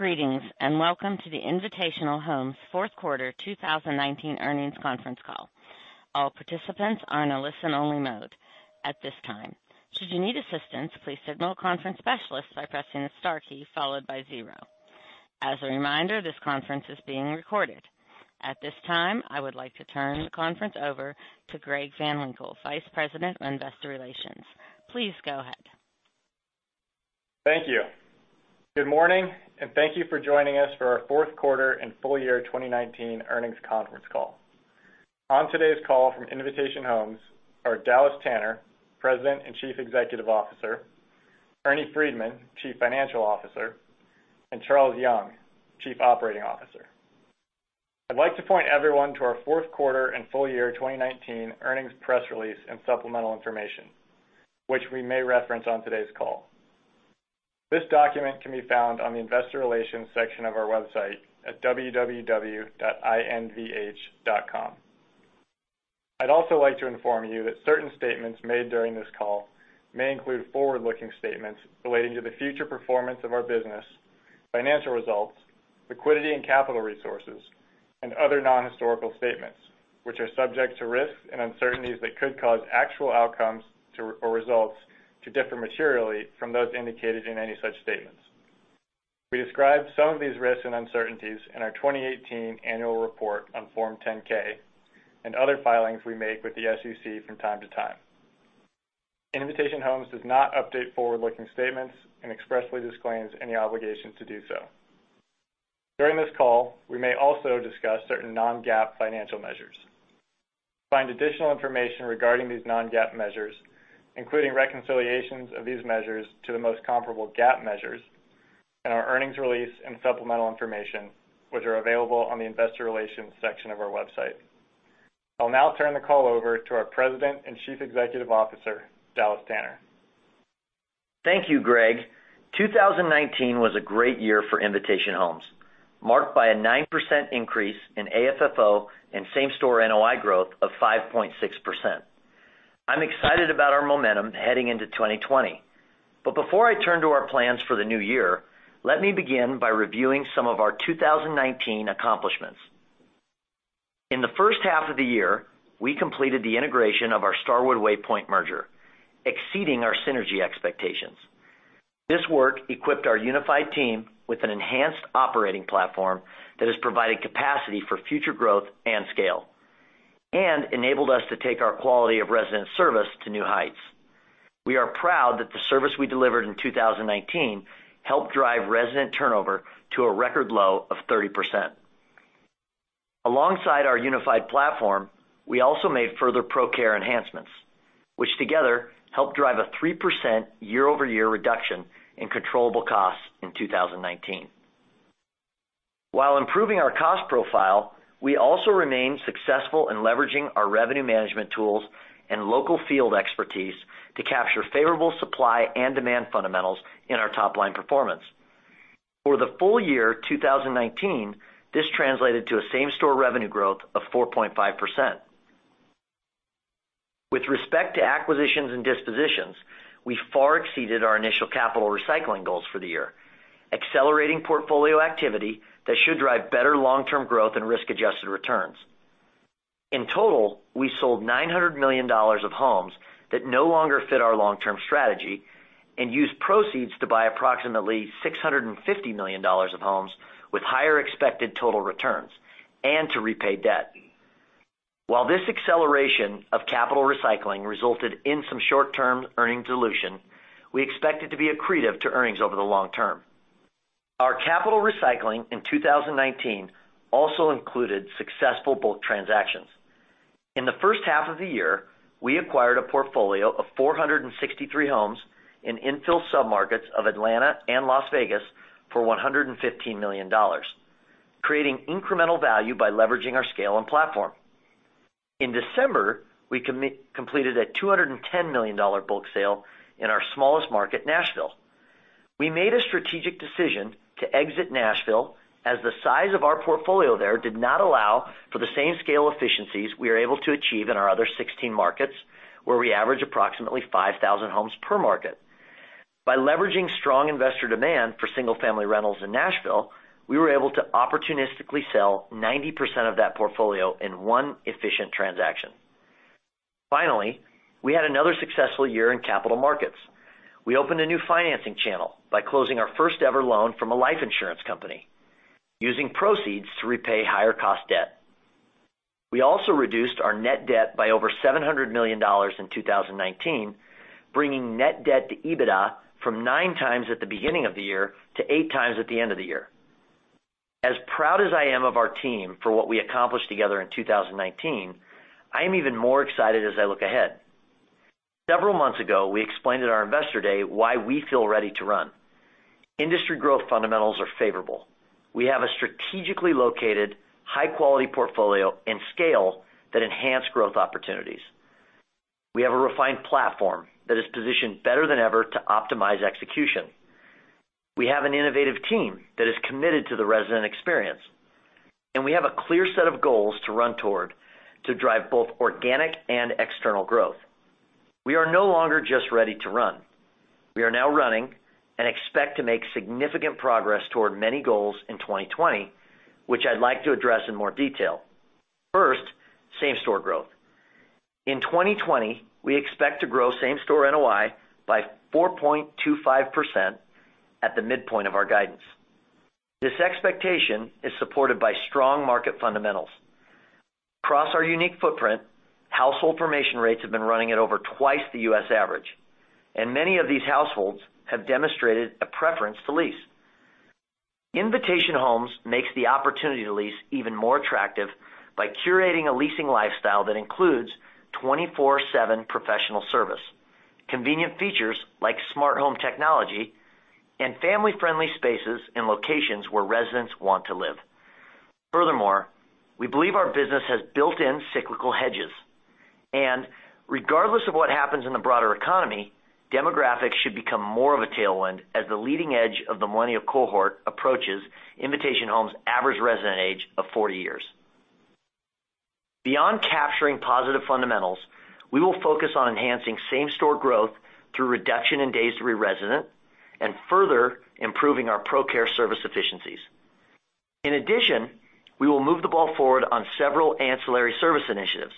Greetings, and welcome to the Invitation Homes fourth quarter 2019 earnings conference call. All participants are in a listen-only mode at this time. Should you need assistance, please signal a conference specialist by pressing the star key followed by zero. As a reminder, this conference is being recorded. At this time, I would like to turn the conference over to Greg Van Winkle, Vice President, Investor Relations. Please go ahead. Thank you. Good morning, and thank you for joining us for our fourth quarter and full year 2019 earnings conference call. On today's call from Invitation Homes are Dallas Tanner, President and Chief Executive Officer, Ernie Freedman, Chief Financial Officer, and Charles Young, Chief Operating Officer. I'd like to point everyone to our fourth quarter and full year 2019 earnings press release and supplemental information, which we may reference on today's call. This document can be found on the investor relations section of our website at www.invh.com. I'd also like to inform you that certain statements made during this call may include forward-looking statements relating to the future performance of our business, financial results, liquidity, and capital resources, and other non-historical statements, which are subject to risks and uncertainties that could cause actual outcomes or results to differ materially from those indicated in any such statements. We describe some of these risks and uncertainties in our 2018 annual report on Form 10-K and other filings we make with the SEC from time to time. Invitation Homes does not update forward-looking statements and expressly disclaims any obligation to do so. During this call, we may also discuss certain non-GAAP financial measures. Find additional information regarding these non-GAAP measures, including reconciliations of these measures to the most comparable GAAP measures in our earnings release and supplemental information, which are available on the investor relations section of our website. I'll now turn the call over to our President and Chief Executive Officer, Dallas Tanner. Thank you, Greg. 2019 was a great year for Invitation Homes, marked by a 9% increase in AFFO and same-store NOI growth of 5.6%. I'm excited about our momentum heading into 2020. Before I turn to our plans for the new year, let me begin by reviewing some of our 2019 accomplishments. In the first half of the year, we completed the integration of our Starwood Waypoint merger, exceeding our synergy expectations. This work equipped our unified team with an enhanced operating platform that has provided capacity for future growth and scale, and enabled us to take our quality of resident service to new heights. We are proud that the service we delivered in 2019 helped drive resident turnover to a record low of 30%. Alongside our unified platform, we also made further ProCare enhancements, which together helped drive a 3% year-over-year reduction in controllable costs in 2019. While improving our cost profile, we also remained successful in leveraging our revenue management tools and local field expertise to capture favorable supply and demand fundamentals in our top-line performance. For the full year 2019, this translated to a same-store revenue growth of 4.5%. With respect to acquisitions and dispositions, we far exceeded our initial capital recycling goals for the year, accelerating portfolio activity that should drive better long-term growth and risk-adjusted returns. In total, we sold $900 million of homes that no longer fit our long-term strategy and used proceeds to buy approximately $650 million of homes with higher expected total returns and to repay debt. While this acceleration of capital recycling resulted in some short-term earnings dilution, we expect it to be accretive to earnings over the long term. Our capital recycling in 2019 also included successful bulk transactions. In the first half of the year, we acquired a portfolio of 463 homes in infill submarkets of Atlanta and Las Vegas for $115 million, creating incremental value by leveraging our scale and platform. In December, we completed a $210 million bulk sale in our smallest market, Nashville. We made a strategic decision to exit Nashville as the size of our portfolio there did not allow for the same scale efficiencies we are able to achieve in our other 16 markets, where we average approximately 5,000 homes per market. By leveraging strong investor demand for single-family rentals in Nashville, we were able to opportunistically sell 90% of that portfolio in one efficient transaction. Finally, we had another successful year in capital markets. We opened a new financing channel by closing our first-ever loan from a life insurance company, using proceeds to repay higher-cost debt. We also reduced our net debt by over $700 million in 2019, bringing net debt-to-EBITDA from 9x at the beginning of the year to 8x at the end of the year. As proud as I am of our team for what we accomplished together in 2019, I am even more excited as I look ahead. Several months ago, we explained at our Investor Day why we feel ready to run. Industry growth fundamentals are favorable. We have a strategically located, high-quality portfolio and scale that enhance growth opportunities. We have a refined platform that is positioned better than ever to optimize execution. We have an innovative team that is committed to the resident experience. We have a clear set of goals to run toward to drive both organic and external growth. We are no longer just ready to run. We are now running and expect to make significant progress toward many goals in 2020, which I'd like to address in more detail. First, same-store growth. In 2020, we expect to grow same-store NOI by 4.25% at the midpoint of our guidance. This expectation is supported by strong market fundamentals. Across our unique footprint, household formation rates have been running at over twice the U.S. average. Many of these households have demonstrated a preference to lease. Invitation Homes makes the opportunity to lease even more attractive by curating a leasing lifestyle that includes 24/7 professional service, convenient features like Smart Home technology, and family-friendly spaces in locations where residents want to live. Furthermore, we believe our business has built-in cyclical hedges. Regardless of what happens in the broader economy, demographics should become more of a tailwind as the leading edge of the millennial cohort approaches Invitation Homes' average resident age of 40 years. Beyond capturing positive fundamentals, we will focus on enhancing same-store growth through a reduction in days to re-resident and further improving our ProCare service efficiencies. In addition, we will move the ball forward on several ancillary service initiatives.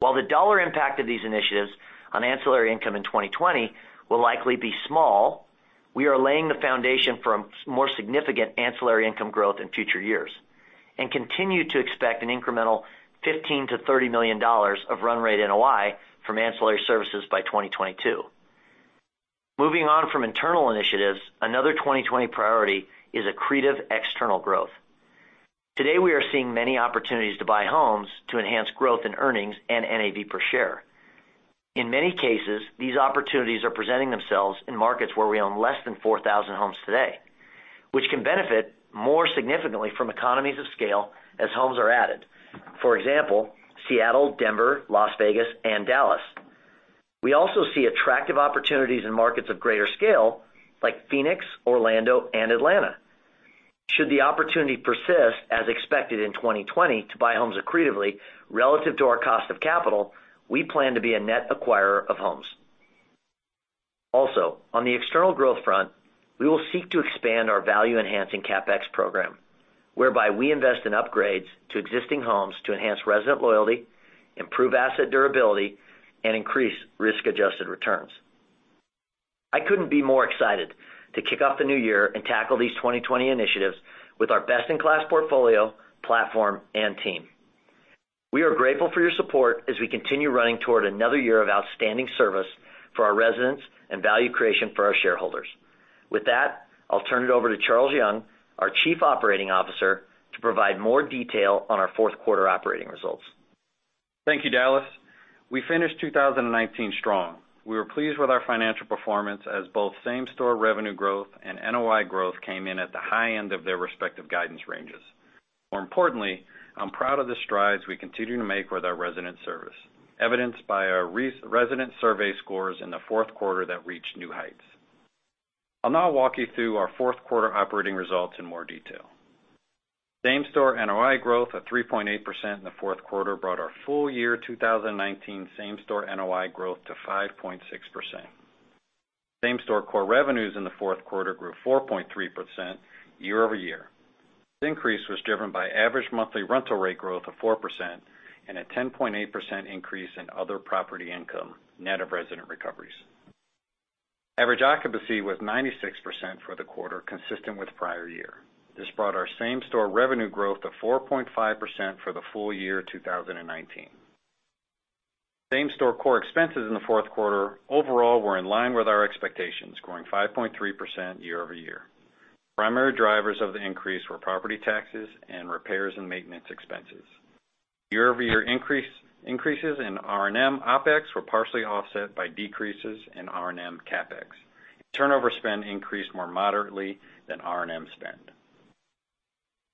While the dollar impact of these initiatives on ancillary income in 2020 will likely be small, we are laying the foundation for more significant ancillary income growth in future years and continue to expect an incremental $15 million-$30 million of run-rate NOI from ancillary services by 2022. Moving on from internal initiatives, another 2020 priority is accretive external growth. Today, we are seeing many opportunities to buy homes to enhance growth in earnings and NAV per share. In many cases, these opportunities are presenting themselves in markets where we own less than 4,000 homes today, which can benefit more significantly from economies of scale as homes are added. For example, Seattle, Denver, Las Vegas, and Dallas. We also see attractive opportunities in markets of greater scale, like Phoenix, Orlando, and Atlanta. Should the opportunity persist, as expected in 2020, to buy homes accretively relative to our cost of capital, we plan to be a net acquirer of homes. Also, on the external growth front, we will seek to expand our value-enhancing CapEx program, whereby we invest in upgrades to existing homes to enhance resident loyalty, improve asset durability, and increase risk-adjusted returns. I couldn't be more excited to kick off the new year and tackle these 2020 initiatives with our best-in-class portfolio, platform, and team. We are grateful for your support as we continue running toward another year of outstanding service for our residents and value creation for our shareholders. With that, I'll turn it over to Charles Young, our Chief Operating Officer, to provide more detail on our fourth quarter operating results. Thank you, Dallas. We finished 2019 strong. We were pleased with our financial performance as both same-store revenue growth and NOI growth came in at the high end of their respective guidance ranges. More importantly, I'm proud of the strides we continue to make with our resident service, evidenced by our resident survey scores in the fourth quarter that reached new heights. I'll now walk you through our fourth quarter operating results in more detail. Same-store NOI growth of 3.8% in the fourth quarter brought our full-year 2019 same-store NOI growth to 5.6%. Same-store core revenues in the fourth quarter grew 4.3% year-over-year. This increase was driven by average monthly rental rate growth of 4% and a 10.8% increase in other property income, net of resident recoveries. Average occupancy was 96% for the quarter, consistent with the prior year. This brought our same-store revenue growth to 4.5% for the full year 2019. Same-store core expenses in the fourth quarter overall were in line with our expectations, growing 5.3% year-over-year. Primary drivers of the increase were property taxes, repairs, and maintenance expenses. Year-over-year increases in R&M OpEx were partially offset by decreases in R&M CapEx. Turnover spend increased more moderately than R&M spend.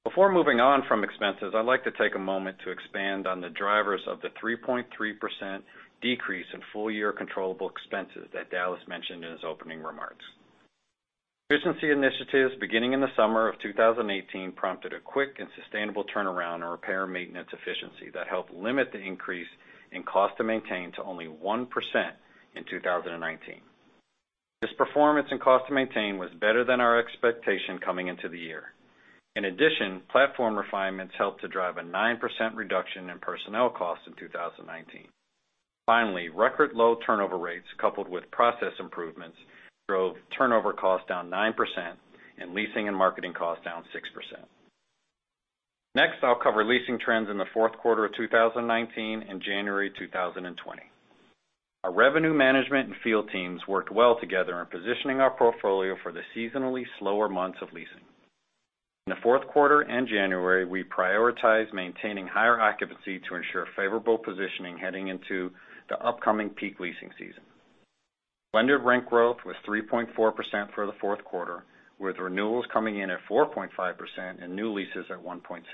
Before moving on from expenses, I'd like to take a moment to expand on the drivers of the 3.3% decrease in full-year controllable expenses that Dallas mentioned in his opening remarks. Efficiency initiatives beginning in the summer of 2018 prompted a quick and sustainable turnaround on repair and maintenance efficiency that helped limit the increase in cost to maintain to only 1% in 2019. This performance in cost to maintain was better than our expectations coming into the year. In addition, platform refinements helped to drive a 9% reduction in personnel costs in 2019. Finally, record low turnover rates coupled with process improvements drove turnover costs down 9% and leasing and marketing costs down 6%. Next, I'll cover leasing trends in the fourth quarter of 2019 and January 2020. Our revenue management and field teams worked well together in positioning our portfolio for the seasonally slower months of leasing. In the fourth quarter and January, we prioritized maintaining higher occupancy to ensure favorable positioning heading into the upcoming peak leasing season. Blend rent growth was 3.4% for the fourth quarter, with renewals coming in at 4.5% and new leases at 1.6%.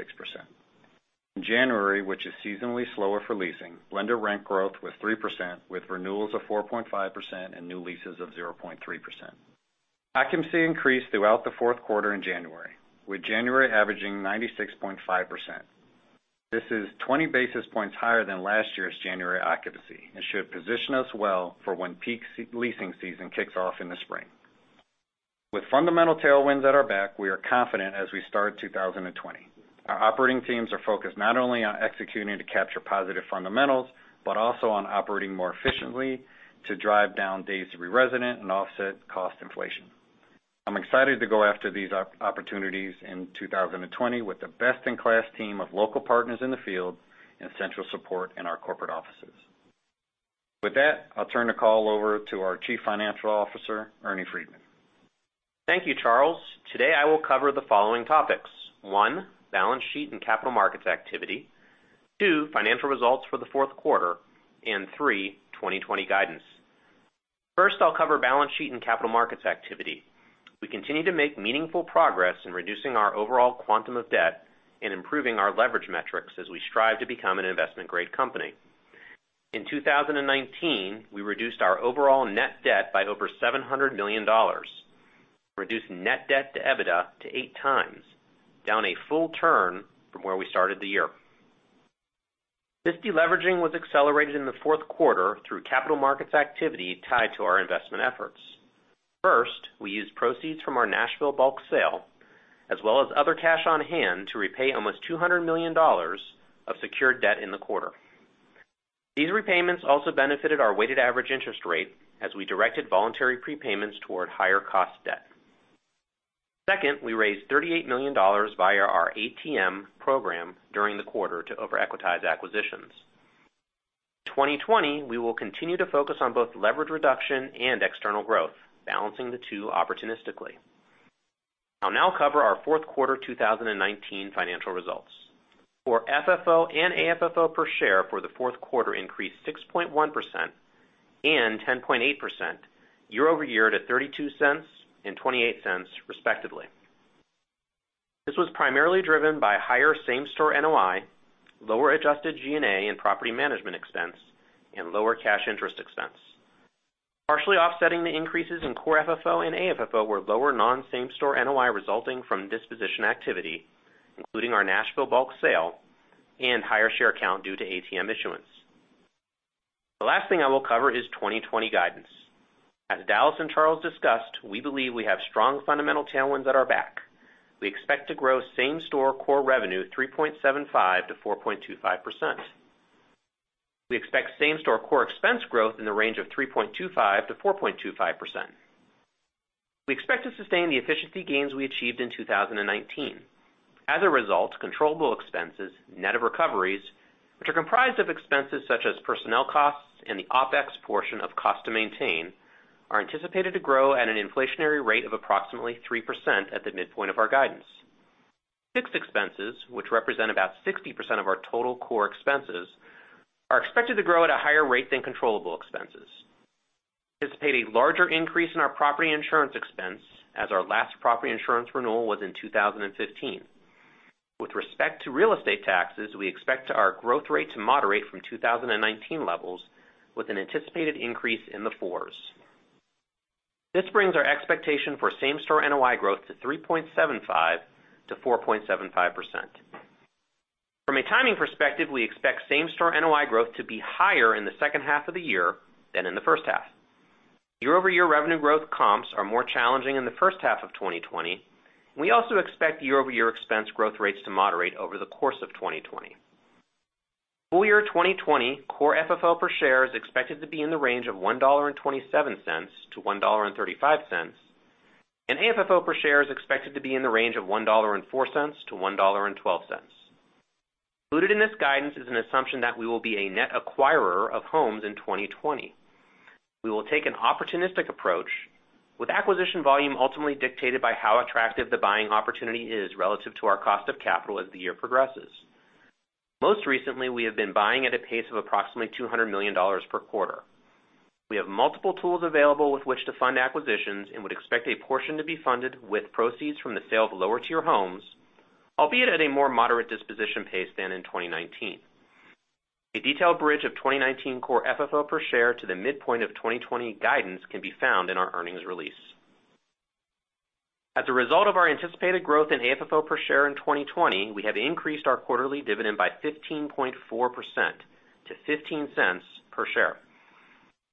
In January, which is seasonally slower for leasing, blended rent growth was 3%, with renewals of 4.5% and new leases of 0.3%. Occupancy increased throughout the fourth quarter in January, with January averaging 96.5%. This is 20 basis points higher than last year's January occupancy and should position us well for when peak leasing season kicks off in the spring. With fundamental tailwinds at our back, we are confident as we start 2020. Our operating teams are focused not only on executing to capture positive fundamentals, but also on operating more efficiently to drive down days to be resident and offset cost inflation. I'm excited to go after these opportunities in 2020 with the best-in-class team of local partners in the field and central support in our corporate offices. With that, I'll turn the call over to our Chief Financial Officer, Ernie Freedman. Thank you, Charles. Today, I will cover the following topics. One, the balance sheet and capital markets activity. Two, financial results for the fourth quarter. Three, 2020 guidance. First, I'll cover the balance sheet and capital markets activity. We continue to make meaningful progress in reducing our overall quantum of debt and improving our leverage metrics as we strive to become an investment-grade company. In 2019, we reduced our overall net debt by over $700 million, reduced net debt-to-EBITDA to 8x, down a full turn from where we started the year. This deleveraging was accelerated in the fourth quarter through capital markets activity tied to our investment efforts. First, we used proceeds from our Nashville bulk sale, as well as other cash on hand, to repay almost $200 million of secured debt in the quarter. These repayments also benefited our weighted average interest rate as we directed voluntary prepayments toward higher-cost debt. We raised $38 million via our ATM program during the quarter to over-equitize acquisitions. In 2020, we will continue to focus on both leverage reduction and external growth, balancing the two opportunistically. I'll now cover our fourth quarter 2019 financial results. Core FFO and AFFO per share for the fourth quarter increased 6.1% and 10.8% year-over-year to $0.32 and $0.28, respectively. This was primarily driven by higher same-store NOI, lower adjusted G&A and property management expense, and lower cash interest expense. Partially offsetting the increases in Core FFO and AFFO were lower non-same-store NOI resulting from disposition activity, including our Nashville bulk sale, and higher share count due to ATM issuance. The last thing I will cover is 2020 guidance. As Dallas and Charles discussed, we believe we have strong fundamental tailwinds at our back. We expect to grow same-store core revenue 3.75%-4.25%. We expect same-store core expense growth in the range of 3.25%-4.25%. We expect to sustain the efficiency gains we achieved in 2019. As a result, controllable expenses, net of recoveries, which are comprised of expenses such as personnel costs and the OpEx portion of cost to maintain, are anticipated to grow at an inflationary rate of approximately 3% at the midpoint of our guidance. Fixed expenses, which represent about 60% of our total core expenses, are expected to grow at a higher rate than controllable expenses. We anticipate a larger increase in our property insurance expense, as our last property insurance renewal was in 2015. With respect to real estate taxes, we expect our growth rate to moderate from 2019 levels with an anticipated increase in the range of 4%-5%. This brings our expectation for same-store NOI growth to 3.75%-4.75%. From a timing perspective, we expect same-store NOI growth to be higher in the second half of the year than in the first half. Year-over-year revenue growth comps are more challenging in the first half of 2020. We also expect year-over-year expense growth rates to moderate over the course of 2020. Full year 2020 Core FFO per share is expected to be in the range of $1.27-$1.35, and AFFO per share is expected to be in the range of $1.04-$1.12. Included in this guidance is an assumption that we will be a net acquirer of homes in 2020. We will take an opportunistic approach with acquisition volume ultimately dictated by how attractive the buying opportunity is relative to our cost of capital as the year progresses. Most recently, we have been buying at a pace of approximately $200 million per quarter. We have multiple tools available with which to fund acquisitions and would expect a portion to be funded with proceeds from the sale of lower-tier homes, albeit at a more moderate disposition pace than in 2019. A detailed bridge of 2019 Core FFO per share to the midpoint of 2020 guidance can be found in our earnings release. As a result of our anticipated growth in AFFO per share in 2020, we have increased our quarterly dividend by 15.4% to $0.15 per share.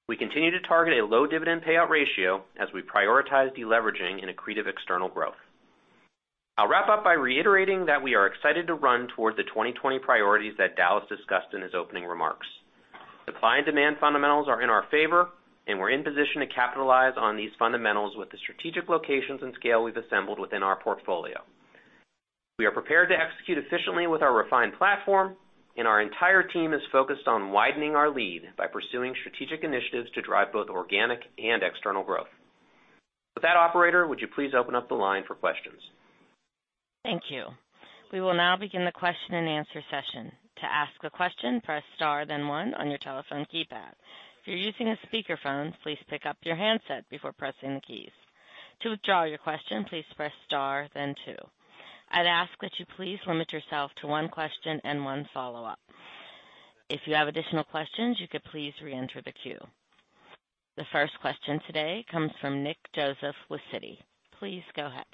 We continue to target a low dividend payout ratio as we prioritize deleveraging and accretive external growth. I'll wrap up by reiterating that we are excited to run toward the 2020 priorities that Dallas discussed in his opening remarks. Supply and demand fundamentals are in our favor, and we're in a position to capitalize on these fundamentals with the strategic locations and scale we've assembled within our portfolio. We are prepared to execute efficiently with our refined platform, and our entire team is focused on widening our lead by pursuing strategic initiatives to drive both organic and external growth. With that, operator, would you please open up the line for questions? Thank you. We will now begin the question-and-answer session. To ask a question, press star, then one on your telephone keypad. If you're using a speakerphone, please pick up your handset before pressing the keys. To withdraw your question, please press star then two. I'd ask that you please limit yourself to one question and one follow-up. If you have additional questions, you could please re-enter the queue. The first question today comes from Nick Joseph with Citi. Please go ahead.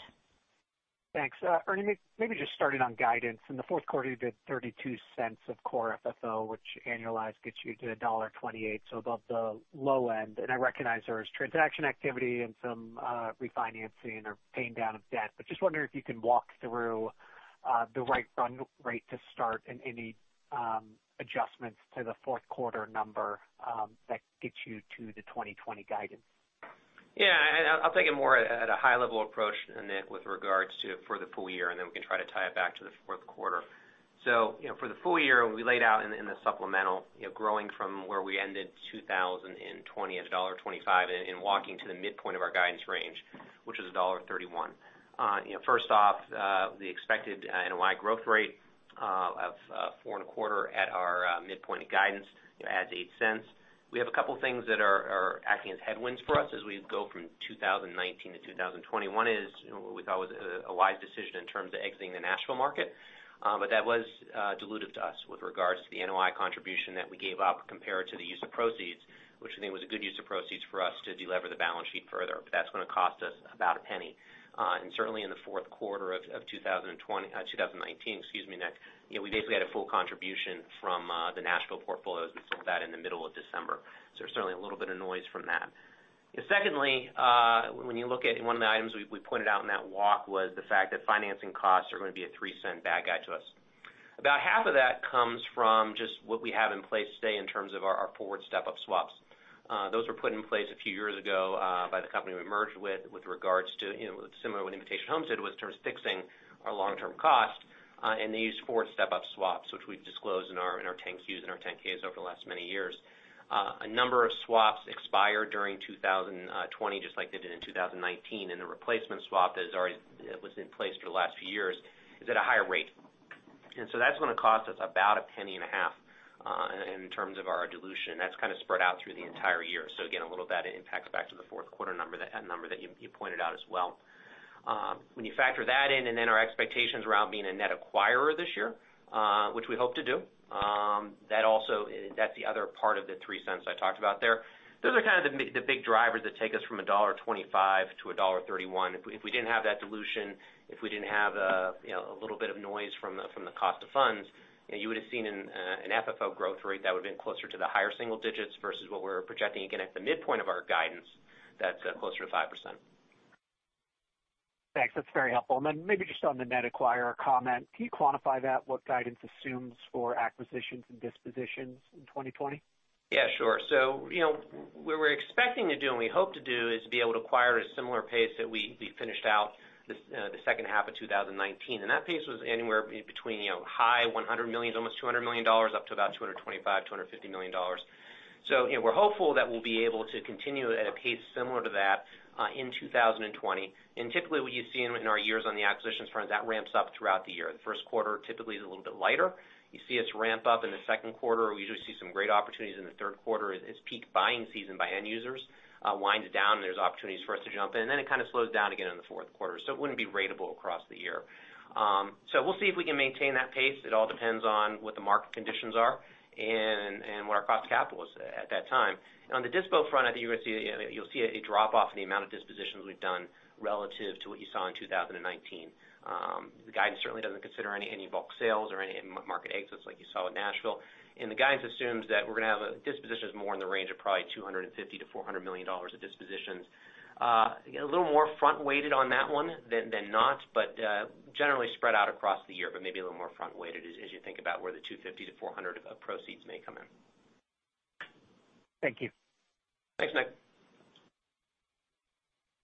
Thanks. Ernie, maybe just starting on guidance. In the fourth quarter, you did $0.32 of Core FFO, which annualized, gets you to $1.28, so above the low end. I recognize there was transaction activity and some refinancing or paying down of debt, but just wondering if you can walk through the right run rate to start and any adjustments to the fourth quarter number that gets you to the 2020 guidance. Yeah. I'll take it more at a high-level approach, Nick, with regards to the full year, then we can try to tie it back to the fourth quarter. For the full year, we laid out in the supplemental, growing from where we ended 2020 at $1.25 and walking to the midpoint of our guidance range, which is $1.31. First off, the expected NOI growth rate of four and a quarter at our midpoint of guidance adds $0.08. We have a couple of things that are acting as headwinds for us as we go from 2019 to 2020. One is what we thought was a wise decision in terms of exiting the Nashville market. That was dilutive to us with regard to the NOI contribution that we gave up compared to the use of proceeds, which we think was a good use of proceeds for us to delever the balance sheet further. That's going to cost us about $0.01. Certainly, in the fourth quarter of 2018, excuse me, Nick, we basically had a full contribution from the Nashville portfolios. We sold that in the middle of December; there's certainly a little bit of noise from that. Secondly, when you look at one of the items we pointed out in that walk, the fact that financing costs are going to be a $0.03 bad guy to us. About half of that comes from just what we have in place today in terms of our forward step-up swaps. Those were put in place a few years ago by the company we merged with regarding what Invitation Homes did, which was in terms of fixing our long-term cost, and they used forward step-up swaps, which we've disclosed in our 10-Qs and our 10-Ks over the last many years. A number of swaps expire during 2020, just like they did in 2019, and the replacement swap that was in place for the last few years is at a higher rate. That's going to cost us about $0.015 in terms of our dilution. That's kind of spread out through the entire year. Again, a little of that impacts back to the fourth quarter number, that number that you pointed out as well. When you factor that in, our expectations around being a net acquirer this year, which we hope to do, that's the other part of the $0.03 I talked about there. Those are kind of the big drivers that take us from $1.25 to $1.31. If we didn't have that dilution, if we didn't have a little bit of noise from the cost of funds, you would've seen a Core FFO growth rate that would've been closer to the higher single digits versus what we're projecting, again, at the midpoint of our guidance, that's closer to 5%. Thanks. That's very helpful. Maybe just on the net acquirer comment, can you quantify that, what guidance assumes for acquisitions and dispositions in 2020? Yeah, sure. What we're expecting to do, and we hope to do, is to be able to acquire at a similar pace that we finished out the second half of 2019, and that pace was anywhere between high $100 million, almost $200 million, up to about $225 million-$250 million. We're hopeful that we'll be able to continue at a pace similar to that in 2020. Typically, what you've seen in our years on the acquisitions front is that it ramps up throughout the year. The first quarter typically is a little bit lighter. You see us ramp up in the second quarter. We usually see some great opportunities in the third quarter as peak buying season by end users winds down, and there are opportunities for us to jump in. It kind of slows down again in the fourth quarter, so it wouldn't be ratable across the year. We'll see if we can maintain that pace. It all depends on what the market conditions are and what our cost of capital is at that time. On the dispo front, I think you'll see a drop-off in the amount of dispositions we've done relative to what you saw in 2019. The guidance certainly doesn't consider any bulk sales or any market exits, as you saw with Nashville. The guidance assumes that we're going to have dispositions more in the range of probably $250 million-$400 million of dispositions. A little more front-weighted on that one than not, but generally spread out across the year, but maybe a little more front-weighted as you think about where the $250 million-$400 million of proceeds may come in. Thank you. Thanks, Nick.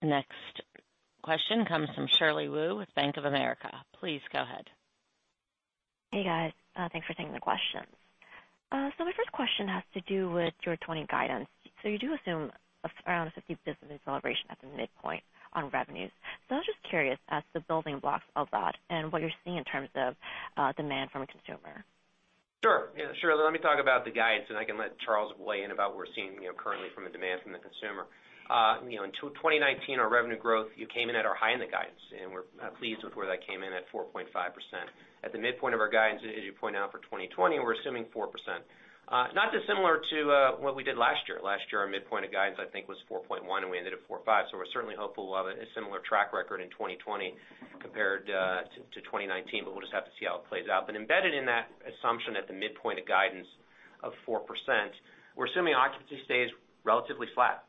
Next question comes from Shirley Wu with Bank of America. Please go ahead. Hey, guys. Thanks for taking the questions. My first question has to do with your 2020 guidance. You do assume around a 50 basis points deceleration at the midpoint on revenues. I was just curious as to the building blocks of that and what you're seeing in terms of demand from a consumer. Sure. Yeah, Shirley, let me talk about the guidance, and I can let Charles weigh in about what we're seeing currently from the demand from the consumer. In 2019, our revenue growth came in at our high in the guidance, and we're pleased with where that came in at 4.5%. At the midpoint of our guidance, as you point out for 2020, we're assuming 4%. Not dissimilar to what we did last year. Last year, our midpoint of guidance, I think, was 4.1%, and we ended at 4.5%, so we're certainly hopeful we'll have a similar track record in 2020 compared to 2019, but we'll just have to see how it plays out. Embedded in that assumption at the midpoint of guidance of 4%, we're assuming occupancy stays relatively flat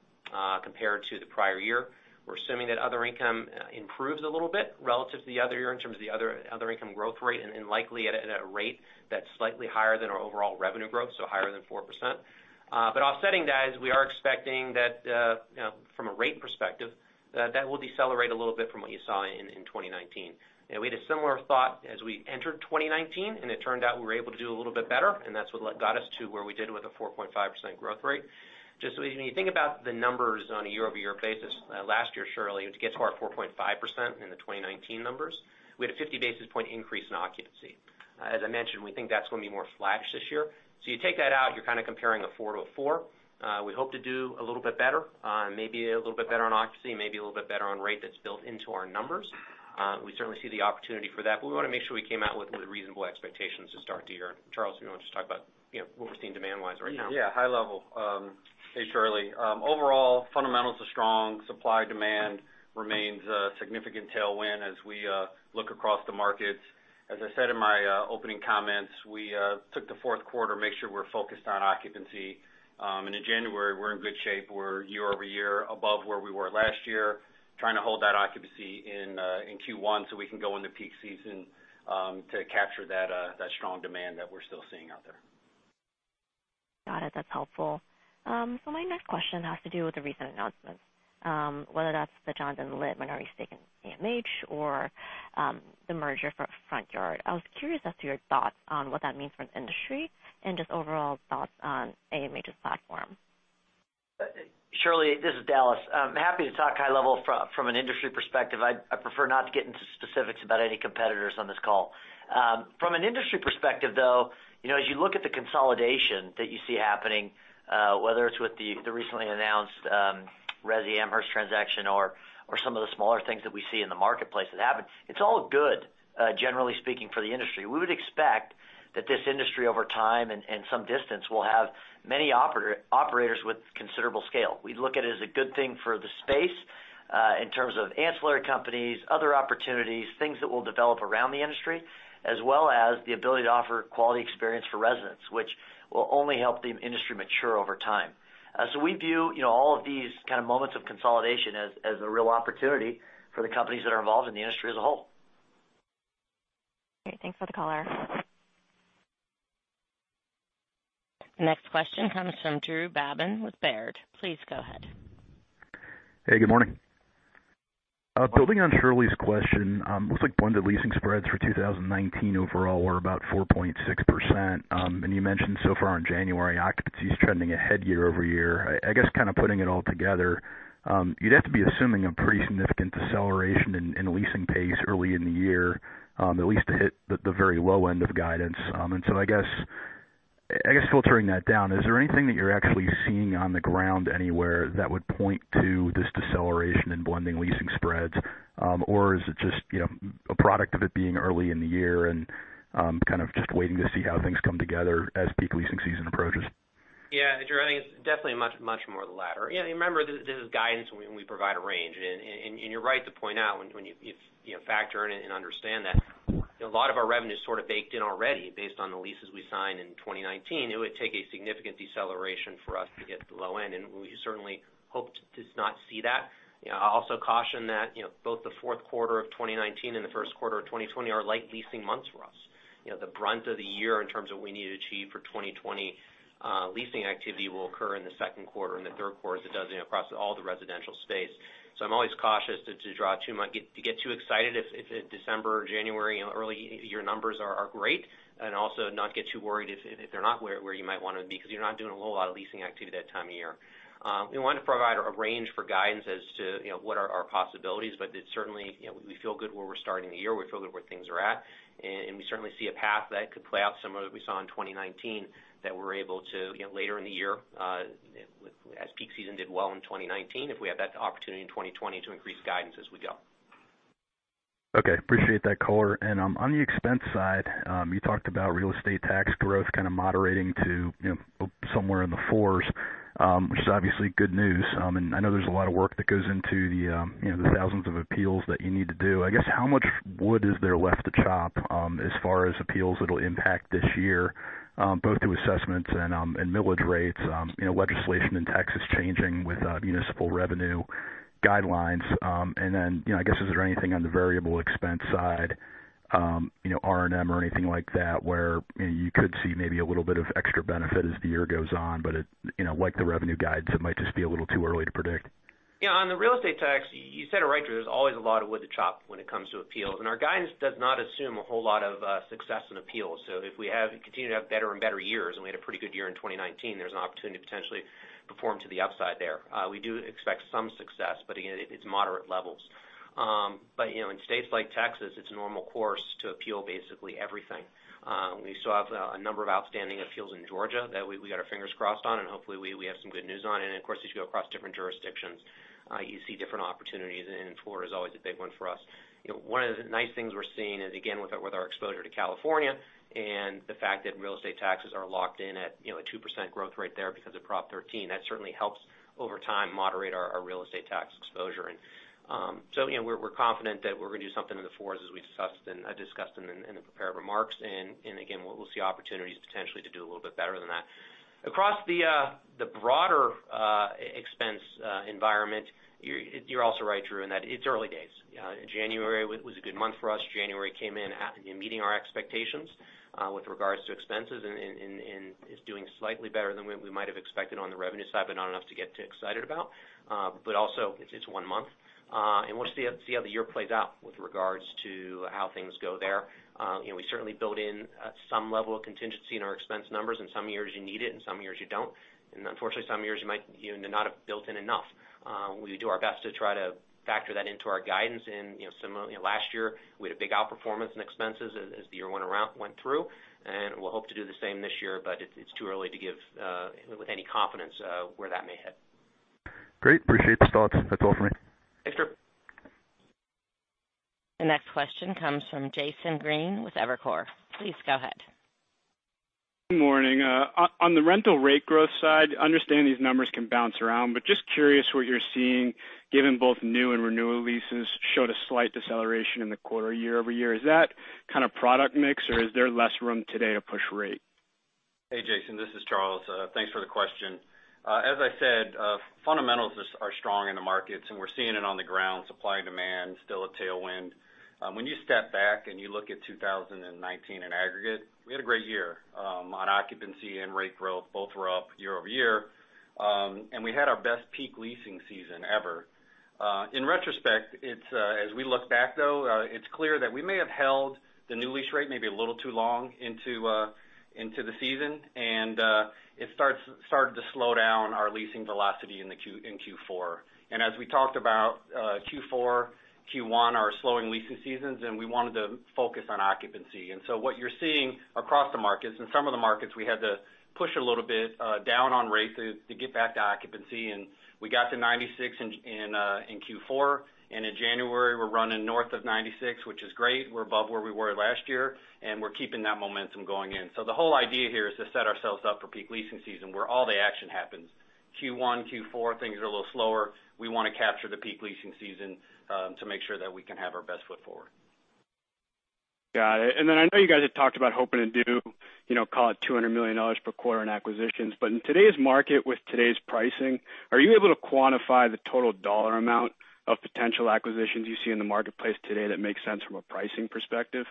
compared to the prior year. We're assuming that other income improves a little bit relative to the other year in terms of the other income growth rate and likely at a rate that's slightly higher than our overall revenue growth, so higher than 4%. Offsetting that is we are expecting that from a rate perspective, that will decelerate a little bit from what you saw in 2019. We had a similar thought as we entered 2019; it turned out we were able to do a little bit better, that's what got us to where we did with a 4.5% growth rate. When you think about the numbers on a year-over-year basis, last year, Shirley, to get to our 4.5% in the 2019 numbers, we had a 50 basis point increase in occupancy. As I mentioned, we think that's going to be more flat this year. You take that out, you're kind of comparing 4% to 4%. We hope to do a little bit better, maybe a little bit better on occupancy, maybe a little bit better on the rate that's built into our numbers. We certainly see the opportunity for that. We want to make sure we come out with reasonable expectations to start the year. Charles, you want to just talk about what we're seeing demand-wise right now? Yeah. High level. Hey, Shirley. Overall, fundamentals are strong. Supply-demand remains a significant tailwind as we look across the markets. As I said in my opening comments, we took the fourth quarter to make sure we're focused on occupancy. In January, we're in good shape. We're year-over-year above where we were last year, trying to hold that occupancy in Q1 so we can go into peak season to capture that strong demand that we're still seeing out there. Got it. That's helpful. My next question has to do with the recent announcements, whether that's Jonathan Litt's minority stake in AMH or the merger for Front Yard. I was curious as to your thoughts on what that means for the industry, and just overall thoughts on AMH's platform. Shirley, this is Dallas. I am happy to talk high-level from an industry perspective. I prefer not to get into specifics about any competitors on this call. From an industry perspective, though, as you look at the consolidation that you see happening, whether it is with the recently announced Resi-Amherst transaction or some of the smaller things that we see in the marketplace that happened, it is all good, generally speaking, for the industry. We would expect that this industry, over time and some distance, will have many operators with considerable scale. We look at it as a good thing for the space in terms of ancillary companies, other opportunities, things that will develop around the industry, as well as the ability to offer quality experience for residents, which will only help the industry mature over time. We view all of these kinds of moments of consolidation as a real opportunity for the companies that are involved in the industry as a whole. Great. Thanks for the color. Next question comes from Drew Babin with Baird. Please go ahead. Hey, good morning. Building on Shirley's question, looks like blended leasing spreads for 2019 overall were about 4.6%. You mentioned that so far in January, occupancy is trending ahead year-over-year. I guess kind of putting it all together, you'd have to be assuming a pretty significant deceleration in leasing pace early in the year, at least to hit the very low end of guidance. I guess filtering that down, is there anything that you're actually seeing on the ground anywhere that would point to this deceleration in blending leasing spreads? Or is it just a product of it being early in the year and kind of just waiting to see how things come together as peak leasing season approaches? Yeah. Drew, I think it's definitely much more the latter. Remember, this is guidance when we provide a range. You're right to point out that when you factor in and understand that a lot of our revenue is sort of baked in already based on the leases we signed in 2019. It would take a significant deceleration for us to get to the low end, and we certainly hope not to see that. I'll also caution that both the fourth quarter of 2019 and the first quarter of 2020 are light leasing months for us. The brunt of the year in terms of what we need to achieve for 2020 leasing activity will occur in the second quarter and the third quarter, as it does across all the residential space. I'm always cautious to get too excited if December or January or early-year numbers are great, and also not get too worried if they're not where you might want to be, because you're not doing a whole lot of leasing activity that time of year. We want to provide a range for guidance as to what our possibilities are, but certainly, we feel good where we're starting the year. We feel good where things are at, and we certainly see a path that could play out similar that we saw in 2019, that we're able to, later in the year, as peak season did well in 2019, if we have that opportunity in 2020 to increase guidance as we go. Okay. Appreciate that color. On the expense side, you talked about real estate tax growth kind of moderating to somewhere in the range of 4%, which is obviously good news. I know there's a lot of work that goes into the thousands of appeals that you need to do. I guess, how much wood is there left to chop as far as appeals that will impact this year, both through assessments and millage rates, and legislation in Texas changing with municipal revenue guidelines? Then, I guess, is there anything on the variable expense side, R&M or anything like that, where you could see maybe a little bit of extra benefit as the year goes on, but like the revenue guides, it might just be a little too early to predict? Yeah. On the real estate tax, you said it right, Drew. There's always a lot of wood to chop when it comes to appeals. Our guidance does not assume a whole lot of success in appeals. If we continue to have better and better years, and we had a pretty good year in 2019, there's an opportunity to potentially perform to the upside there. We do expect some success, but again, it's moderate levels. In states like Texas, it's the normal course to appeal basically everything. We still have a number of outstanding appeals in Georgia that we're keeping our fingers crossed on, and hopefully, we have some good news on. Of course, as you go across different jurisdictions, you see different opportunities, and Florida is always a big one for us. One of the nice things we're seeing is, again, with our exposure to California and the fact that real estate taxes are locked in at a 2% growth rate there because of Proposition 13. That certainly helps over time to moderate our real estate tax exposure. We're confident that we're going to do something in the range of 4%, as we discussed in the prepared remarks. Again, we'll see opportunities potentially to do a little bit better than that. Across the broader expense environment, you're also right, Drew, in that it's early days. January was a good month for us. January came in meeting our expectations with regards to expenses, and is doing slightly better than we might have expected on the revenue side, but not enough to get too excited about. Also, it's one month. We'll see how the year plays out with regard to how things go there. We certainly build in some level of contingency in our expense numbers. In some years, you need it, in some years you don't. Unfortunately, some years you might not have built in enough. We do our best to try to factor that into our guidance. Last year, we had a big outperformance in expenses as the year went through, and we hope to do the same this year, but it's too early to give with any confidence where that may hit. Great. Appreciate the thoughts. That's all for me. Thanks, Drew. The next question comes from Jason Green with Evercore. Please go ahead. Good morning. On the rental rate growth side, understand these numbers can bounce around, but just curious what you're seeing, given both new and renewal leases showed a slight deceleration in the quarter year-over-year. Is that kind of product mix, or is there less room today to push rate? Hey, Jason, this is Charles. Thanks for the question. As I said, fundamentals are strong in the markets, and we're seeing it on the ground. Supply and demand are still a tailwind. When you step back and look at 2019 in aggregate, we had a great year on occupancy and rate growth. Both were up year-over-year. We had our best peak leasing season ever. In retrospect, as we look back, though, it's clear that we may have held the new lease rate maybe a little too long into the season, and it started to slow down our leasing velocity in Q4. As we talked about, Q4 and Q1 are slow leasing seasons, and we wanted to focus on occupancy. What you're seeing across the markets, in some of the markets, we had to push a little bit down on rate to get back to occupancy. We got to 96% in Q4, and in January, we're running north of 96%, which is great. We're above where we were last year, and we're keeping that momentum going. The whole idea here is to set ourselves up for peak leasing season, where all the action happens. Q1, Q4, things are a little slower. We want to capture the peak leasing season to make sure that we can have our best foot forward. Got it. I know you guys have talked about hoping to do, call it $200 million per quarter in acquisitions, but in today's market with today's pricing, are you able to quantify the total dollar amount of potential acquisitions you see in the marketplace today that make sense from a pricing perspective?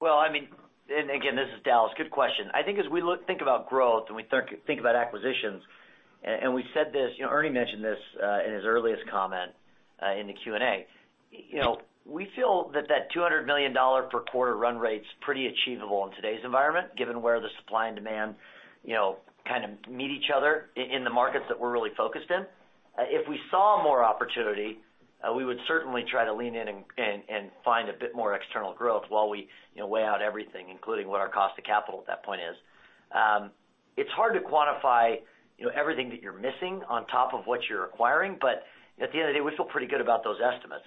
Well, again, this is Dallas. Good question. I think as we think about growth and we think about acquisitions, we said this, Ernie mentioned this in his earliest comment in the Q&A. We feel that the $200 million per quarter run rate is pretty achievable in today's environment, given where the supply and demand kind of meet each other in the markets that we're really focused on. If we saw more opportunity, we would certainly try to lean in and find a bit more external growth while we weigh out everything, including what our cost of capital is at that point. It's hard to quantify everything that you're missing on top of what you're acquiring. At the end of the day, we feel pretty good about those estimates.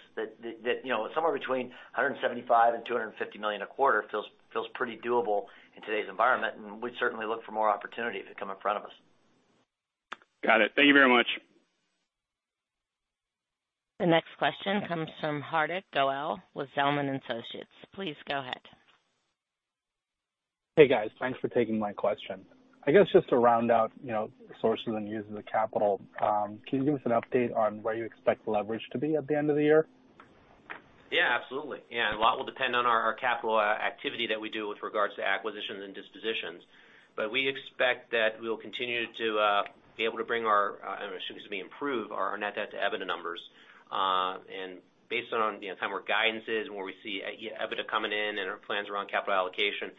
Somewhere between $175 million-$250 million a quarter feels pretty doable in today's environment, and we'd certainly look for more opportunity if it comes in front of us. Got it. Thank you very much. The next question comes from Hardik Goel with Zelman & Associates. Please go ahead. Hey, guys. Thanks for taking my question. I guess just to round out sources and uses of capital, can you give us an update on where you expect the leverage to be at the end of the year? Yeah, absolutely. Yeah, a lot will depend on the capital activity that we do with regard to acquisitions and dispositions. We expect that we'll continue to be able to bring our, excuse me, improve our net debt-to-EBITDA numbers. Based on where guidance is and where we see EBITDA coming in and our plans around capital allocation,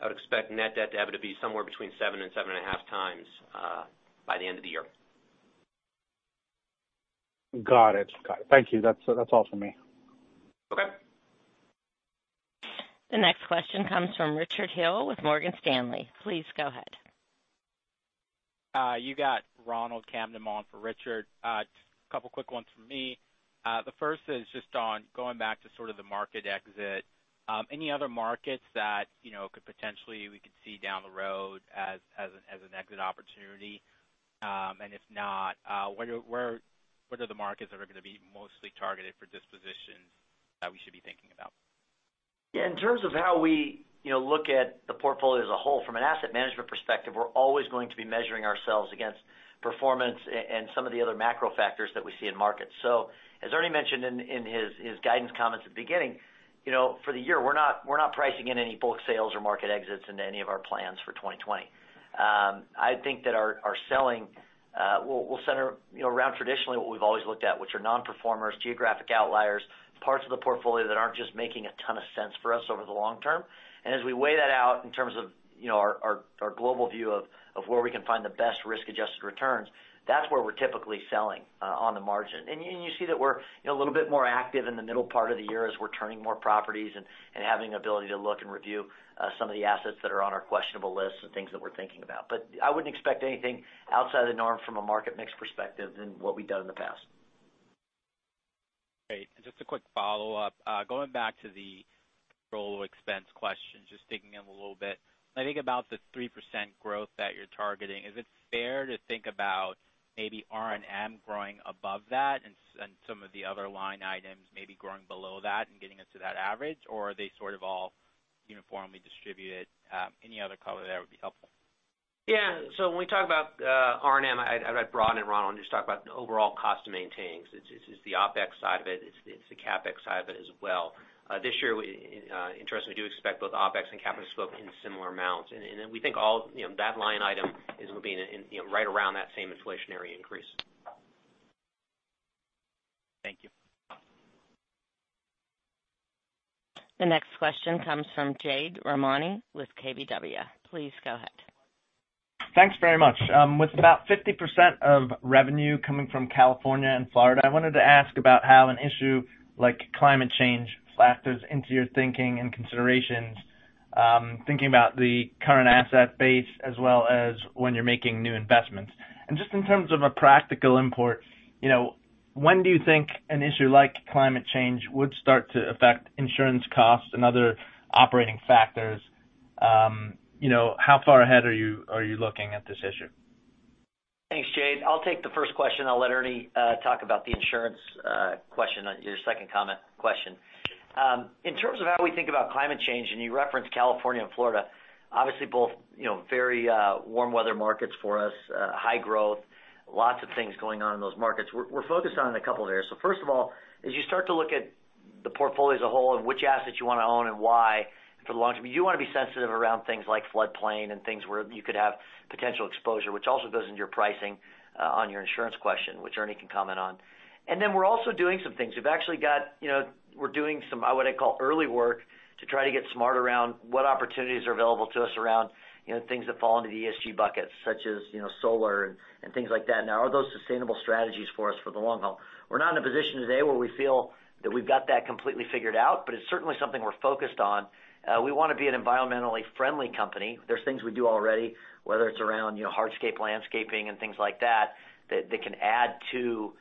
I would expect net debt-to-EBITDA to be somewhere between 7.0x and 7.5x by the end of the year. Got it. Thank you. That's all from me. Okay. The next question comes from Richard Hill with Morgan Stanley. Please go ahead. You got Ronald Kamdem on for Richard. A couple of quick ones from me. The first is just on going back to sort of the market exit. Any other markets that we could potentially see down the road as an exit opportunity? If not, what are the markets that are gonna be mostly targeted for dispositions that we should be thinking about? In terms of how we look at the portfolio as a whole, from an asset management perspective, we're always going to be measuring ourselves against performance and some of the other macro factors that we see in markets. As Ernie mentioned in his guidance comments at the beginning, for the year, we're not pricing in any bulk sales or market exits into any of our plans for 2020. I think that our selling will center around traditionally what we've always looked at, which are non-performers, geographic outliers, parts of the portfolio that aren't just making a ton of sense for us over the long term. As we weigh that out in terms of our global view of where we can find the best risk-adjusted returns, that's where we're typically selling on the margin. You see that we're a little bit more active in the middle part of the year as we're turning more properties and having the ability to look and review some of the assets that are on our questionable list and things that we're thinking about. I wouldn't expect anything outside of the norm from a market mix perspective than what we've done in the past. Great. Just a quick follow-up. Going back to the role of expense question, just digging in a little bit. When I think about the 3% growth that you're targeting, is it fair to think about maybe R&M growing above that, and some of the other line items maybe growing below that, and getting us to that average? Are they sort of all uniformly distributed? Any other color would be helpful. Yeah. When we talk about R&M, I'd rather broaden it, Ronald, and just talk about the overall cost to maintain. It's the OpEx side of it. It's the CapEx side of it as well. This year, we do expect both OpEx and CapEx to grow in similar amounts. We think all those line items are moving right around that same inflationary increase. Thank you. The next question comes from Jade Rahmani with KBW. Please go ahead. Thanks very much. With about 50% of revenue coming from California and Florida, I wanted to ask about how an issue like climate change factors into your thinking and considerations, thinking about the current asset base, as well as when you're making new investments. Just in terms of a practical import, when do you think an issue like climate change would start to affect insurance costs and other operating factors? How far ahead are you looking at this issue? Thanks, Jade. I'll take the first question. I'll let Ernie talk about the insurance question in your second comment question. In terms of how we think about climate change, you referenced California and Florida, obviously, both very warm weather markets for us, high growth, lots of things going on in those markets. We're focused on a couple of areas. First of all, as you start to look at the portfolio as a whole and which assets you want to own and why for the long-term, you want to be sensitive to things like floodplain and things where you could have potential exposure, which also goes into your pricing on your insurance question, which Ernie can comment on. We're also doing some things. We're doing some, what I call, early work to try to get smart around what opportunities are available to us around things that fall into the ESG buckets, such as solar and things like that. Now, are those sustainable strategies for us for the long haul? We're not in a position today where we feel that we've got that completely figured out, but it's certainly something we're focused on. We want to be an environmentally friendly company. There are things we do already, whether it's around hardscape landscaping and things like that can add to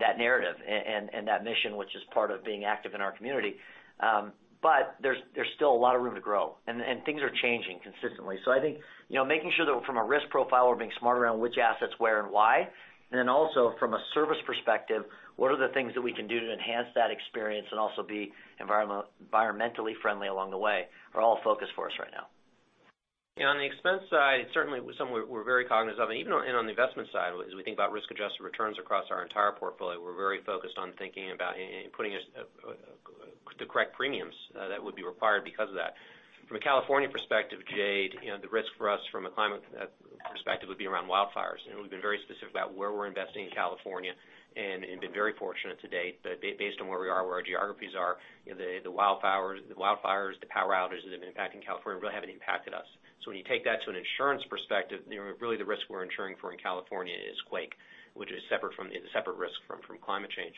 that narrative and that mission, which is part of being active in our community. There's still a lot of room to grow, and things are changing consistently. I think making sure that from a risk profile, we're being smart around which assets, where, and why. Also, from a service perspective, what are the things that we can do to enhance that experience and also be environmentally friendly along the way are all a focus for us right now. On the expense side, certainly, some we're very cognizant of, and even on the investment side, as we think about risk-adjusted returns across our entire portfolio, we're very focused on thinking about putting the correct premiums that would be required because of that. From a California perspective, Jade, the risk for us from a climate perspective would be around wildfires. We've been very specific about where we're investing in California and have been very fortunate to date. Based on where we are, where our geographies are, the wildfires, the power outages that have impacted California really haven't impacted us. When you take that to an insurance perspective, really, the risk we're insuring for in California is quake, which is a separate risk from climate change.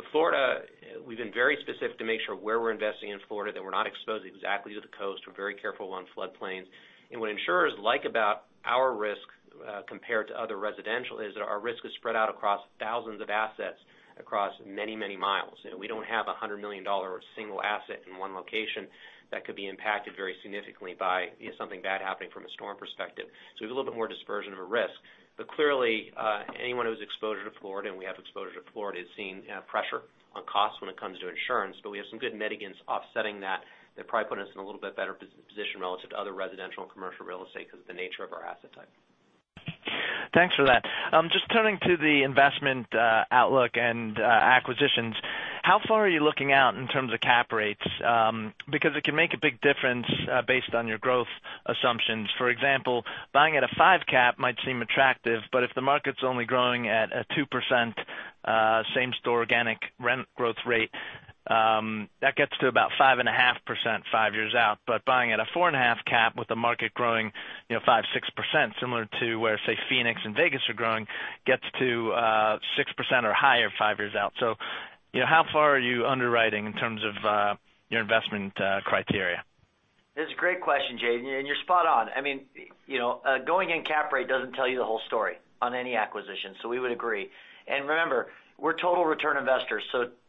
With Florida, we've been very specific to make sure where we're investing in Florida, that we're not exposed exactly to the coast. We're very careful on floodplains. What insurers like about our risk compared to other residential risks is that our risk is spread out across thousands of assets, across many, many miles. We don't have a $100 million single asset in one location that could be impacted very significantly by something bad happening from a storm perspective. We have a little bit more dispersion of risk. Clearly, anyone whose exposure to Florida—and we have exposure to Florida—is seeing pressure on costs when it comes to insurance. We have some good mitigants offsetting that, which probably put us in a little bit better position relative to other residential and commercial real estate because of the nature of our asset type. Thanks for that. Just turning to the investment outlook and acquisitions, how far are you looking out in terms of cap rates? It can make a big difference based on your growth assumptions. For example, buying at a five cap might seem attractive, but if the market's only growing at a 2% same-store organic rent growth rate, that gets to about 5.5%, five years out. Buying at a four and a half cap with the market growing 5%-6%, similar to where, say, Phoenix and Vegas are growing, gets to 6% or higher five years out. How far are you underwriting in terms of your investment criteria? It's a great question, Jade, and you're spot on. Going in, cap rate doesn't tell you the whole story on any acquisition. We would agree. Remember, we're total return investors.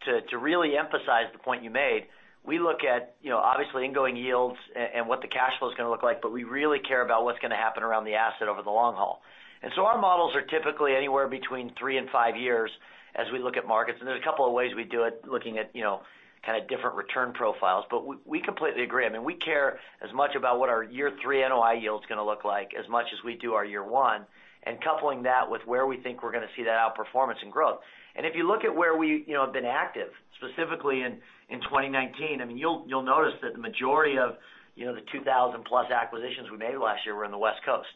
To really emphasize the point you made, we look at obviously incoming yields and what the cash flow is going to look like, but we really care about what's going to happen around the asset over the long haul. Our models are typically anywhere between three and five years as we look at markets, and there are a couple of ways we do it, looking at kind of different return profiles. We completely agree. We care as much about what our year three NOI yield is going to look like as much as we do our year one, and coupling that with where we think we're going to see that outperformance and growth. If you look at where we have been active, specifically in 2019, you'll notice that the majority of the 2,000+ acquisitions we made last year were on the West Coast.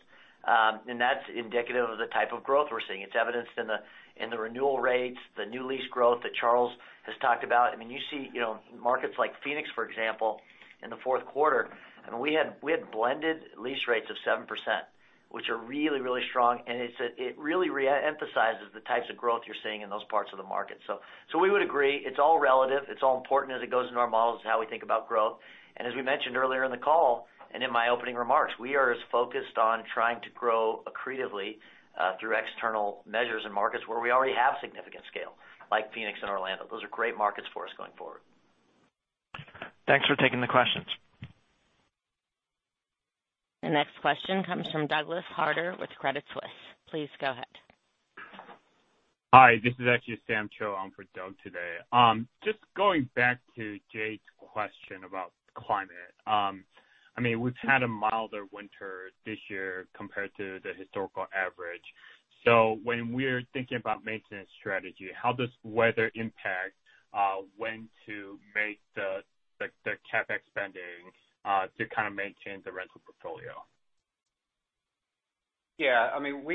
That's indicative of the type of growth we're seeing. It's evidenced in the renewal rates, the new lease growth that Charles has talked about. You see markets like Phoenix, for example, in the fourth quarter, and we had blended lease rates of 7%, which are really strong, and it really re-emphasizes the types of growth you're seeing in those parts of the market. We would agree. It's all relative. It's all important as it goes into our models and how we think about growth. As we mentioned earlier in the call and in my opening remarks, we are as focused on trying to grow accretively through external measures in markets where we already have significant scale, like Phoenix and Orlando. Those are great markets for us going forward. Thanks for taking the questions. The next question comes from Douglas Harter with Credit Suisse. Please go ahead. Hi, this is actually Sam Choe. I'm for Doug today. Just going back to Jade's question about climate. We've had a milder winter this year compared to the historical average. When we're thinking about maintenance strategy, how does weather impact when to make the CapEx spending to kind of maintain the rental portfolio? We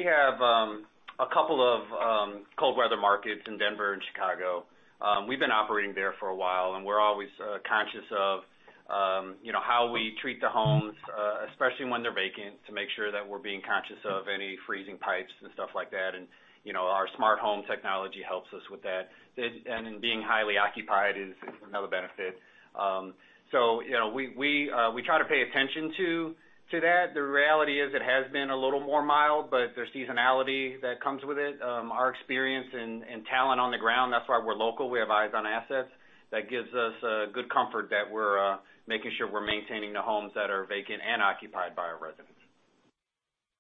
have a couple of cold-weather markets in Denver and Chicago. We've been operating there for a while, and we're always conscious of how we treat the homes, especially when they're vacant, to make sure that we're being conscious of any freezing pipes and stuff like that. Our Smart Home technology helps us with that. Being highly occupied is another benefit. We try to pay attention to that. The reality is it has been a little more mild; there's seasonality that comes with it, our experience and talent on the ground. That's why we're local. We have eyes on assets. That gives us good comfort that we're making sure we're maintaining the homes that are vacant and occupied by our residents.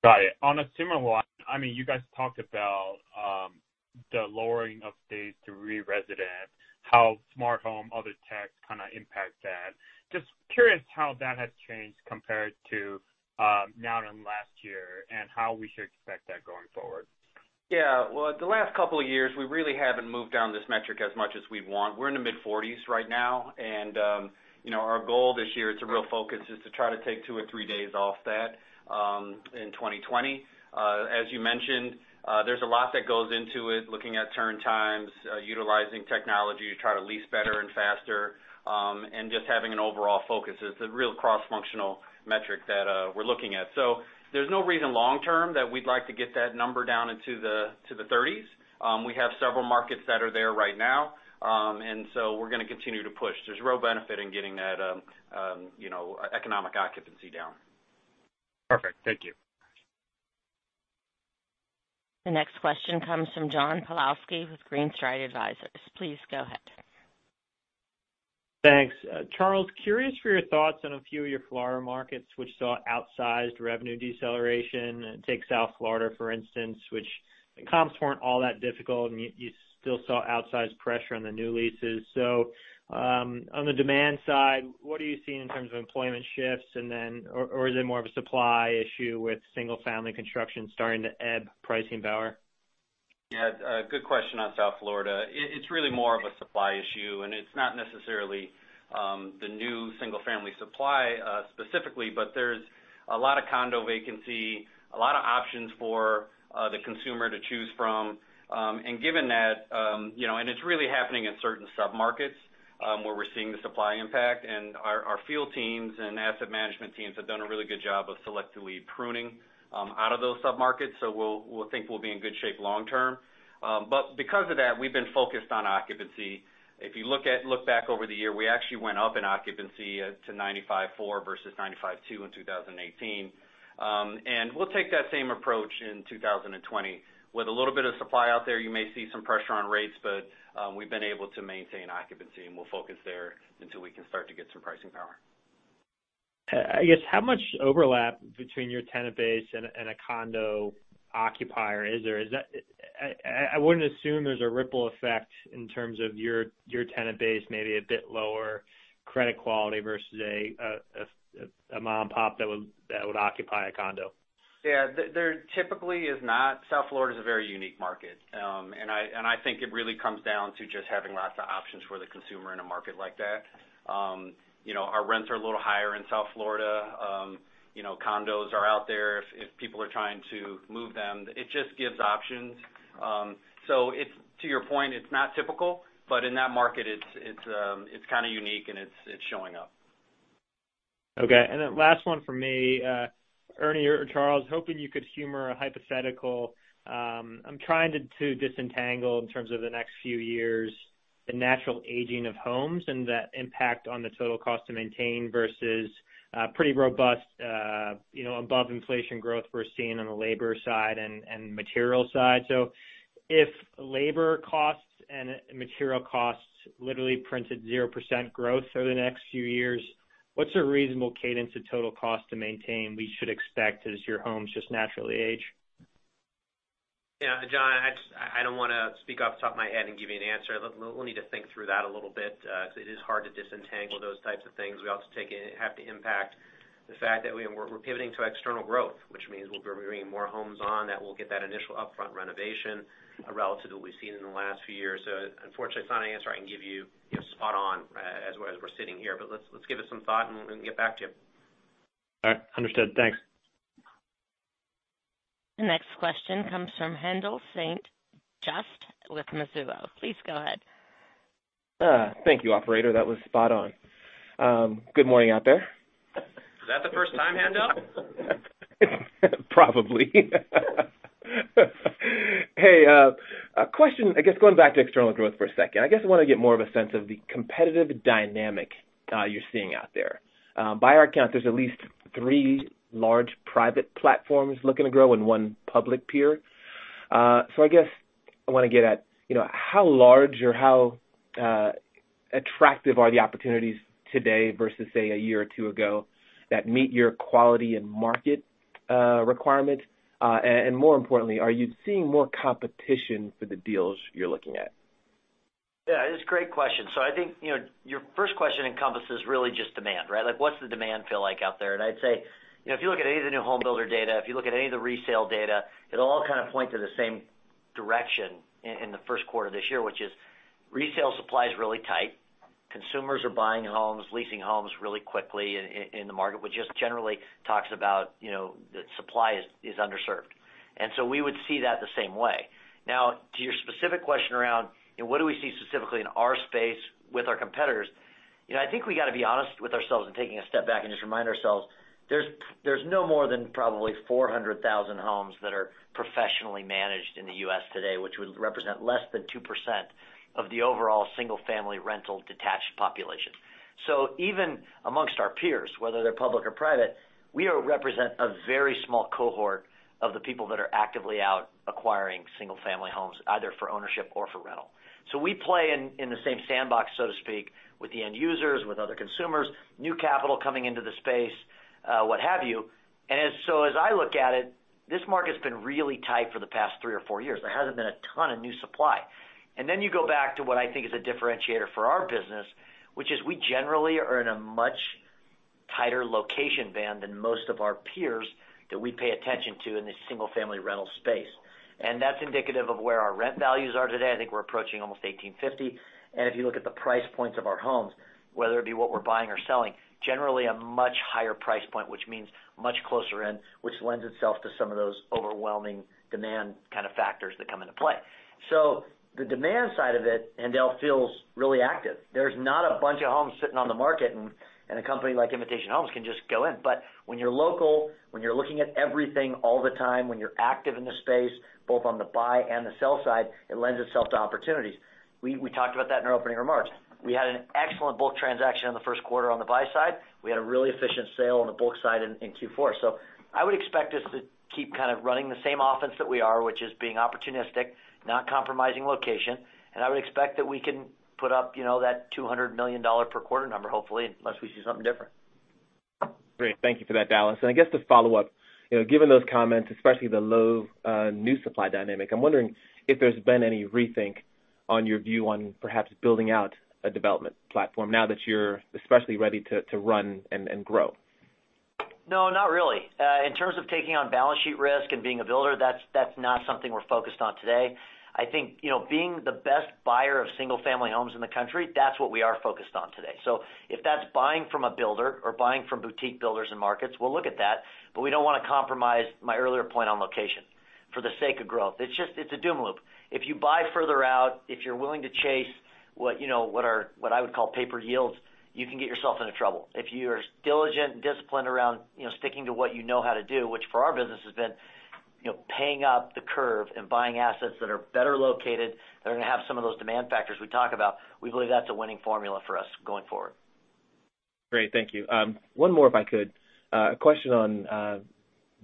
Got it. On a similar one, you guys talked about the lowering of days to re-resident, how Smart Home, other tech, kind of impacts that. Just curious how that has changed compared to now, last year, and how we should expect that going forward. Well, the last couple of years, we really haven't moved down this metric as much as we'd want. We're in the middle range of 40 days right now. Our goal this year, which is a real focus, is to try to take two or three days off that in 2020. As you mentioned, there's a lot that goes into it, looking at turn times, utilizing technology to try to lease better and faster, and just having an overall focus. It's a real cross-functional metric that we're looking at. There's no long-term reason that we'd like to get that number down to 30 days. We have several markets that are there right now. We're going to continue to push. There's real benefit in getting that economic occupancy down. Perfect. Thank you. The next question comes from John Pawlowski with Green Street Advisors. Please go ahead. Thanks. Charles, curious for your thoughts on a few of your Florida markets, which saw outsized revenue deceleration. Take South Florida, for instance, where the comps weren't all that difficult; you still saw outsized pressure on the new leases. On the demand side, what are you seeing in terms of employment shifts? Is it more of a supply issue with single-family construction starting to ebb pricing power? Yeah. Good question on South Florida. It's really more of a supply issue, and it's not necessarily the new single-family supply, specifically, but there's a lot of condo vacancy, a lot of options for the consumer to choose from. Given that, and it's really happening in certain submarkets, where we're seeing the supply impact, our field teams and asset management teams have done a really good job of selectively pruning out of those submarkets. We'll think we'll be in good shape long term. Because of that, we've been focused on occupancy. If you look back over the year, we actually went up in occupancy to 95.4% versus 95.2% in 2018. We'll take that same approach in 2020. With a little bit of supply out there, you may see some pressure on rates, but we've been able to maintain occupancy, and we'll focus there until we can start to get some pricing power. I guess, how much overlap between your tenant base and a condo occupier is there? I wouldn't assume there's a ripple effect in terms of your tenant base, maybe a bit lower credit quality versus a mom-pop that would occupy a condo. Yeah. There typically is not. South Florida is a very unique market. I think it really comes down to just having lots of options for the consumer in a market like that. Our rents are a little higher in South Florida. Condos are out there if people are trying to move them. It just gives options. To your point, it's not typical, but in that market, it's kind of unique, and it's showing up. Okay. Last one from me. Ernie or Charles, hoping you could humor a hypothetical. I'm trying to disentangle in terms of the next few years, the natural aging of homes, and that impact on the total cost to maintain, versus pretty robust above-inflation growth we're seeing on the labor side and material side. If labor costs and material costs literally printed 0% growth over the next few years, what's a reasonable cadence of total cost to maintain we should expect as your homes just naturally age? Yeah, John, I don't want to speak off the top of my head and give you an answer. We'll need to think through that a little bit. It is hard to disentangle those types of things. We also have to consider the fact that we're pivoting to external growth, which means we'll be bringing more homes on that will get that initial upfront renovation relative to what we've seen in the last few years. Unfortunately, it's not an answer I can give you spot on as we're sitting here. Let's give it some thought, and we can get back to you. All right. Understood. Thanks. The next question comes from Haendel St. Juste with Mizuho. Please go ahead. Thank you, operator. That was spot on. Good morning out there. Is that the first time, Haendel? Probably. Hey, a question, I guess, going back to external growth for a second. I guess I want to get more of a sense of the competitive dynamic you're seeing out there. By our count, there are at least three large private platforms looking to grow and one public peer. I guess I want to get at how large or how attractive the opportunities are today versus, say, a year or two ago that meet your quality and market requirements? More importantly, are you seeing more competition for the deals you're looking at? Yeah, it's a great question. I think your first question encompasses really just demand, right? What's the demand feel like out there? I'd say, if you look at any of the new home builder data, if you look at any of the resale data, it'll all kind of point in the same direction in the first quarter of this year, which is that resale supply is really tight. Consumers are buying homes, leasing homes really quickly in the market, which just generally talks about that supply is underserved. We would see it the same way. Now, to your specific question around what we see specifically in our space with our competitors, I think we've got to be honest with ourselves in taking a step back and just remind ourselves there's no more than probably 400,000 homes that are professionally managed in the U.S. today, which would represent less than 2% of the overall single-family rental detached population. Even amongst our peers, whether they're public or private, we represent a very small cohort of the people that are actively out acquiring single-family homes, either for ownership or for rental. We play in the same sandbox, so to speak, with the end users, with other consumers, new capital coming into the space, what have you. As I look at it, this market's been really tight for the past three or four years. There hasn't been a ton of new supply. You go back to what I think is a differentiator for our business, which is that we generally are in a much tighter location band than most of our peers that we pay attention to in the single-family rental space. That's indicative of where our rent values are today. I think we're approaching almost $1,850. If you look at the price points of our homes, whether it be what we're buying or selling, generally a much higher price point, which means much closer in, which lends itself to some of those overwhelming demand kind of factors that come into play. The demand side of it, Haendel, feels really active. There's not a bunch of homes sitting on the market, and a company like Invitation Homes can just go in. When you're local, when you're looking at everything all the time, when you're active in the space, both on the buy and the sell side, it lends itself to opportunities. We talked about that in our opening remarks. We had an excellent bulk transaction in the first quarter on the buy side. We had a really efficient sale on the bulk side in Q4. I would expect us to keep running the same offense that we are, which is being opportunistic, not compromising location. I would expect that we can put up that $200 million per quarter number, hopefully, unless we see something different. Great. Thank you for that, Dallas. I guess to follow up, given those comments, especially the low new supply dynamic, I'm wondering if there's been any rethink on your view on perhaps building out a development platform now that you're especially ready to run and grow. No, not really. In terms of taking on balance sheet risk and being a builder, that's not something we're focused on today. I think, being the best buyer of single-family homes in the country, that's what we are focused on today. If that's buying from a builder or buying from boutique builders in markets, we'll look at that, but we don't want to compromise my earlier point on location for the sake of growth. It's a doom loop. If you buy further out, if you're willing to chase what I would call paper yields, you can get yourself into trouble. If you're diligent and disciplined around sticking to what you know how to do, which for our business has been paying up the curve and buying assets that are better located, that are going to have some of those demand factors we talk about, we believe that's a winning formula for us going forward. Great. Thank you. One more, if I could. A question on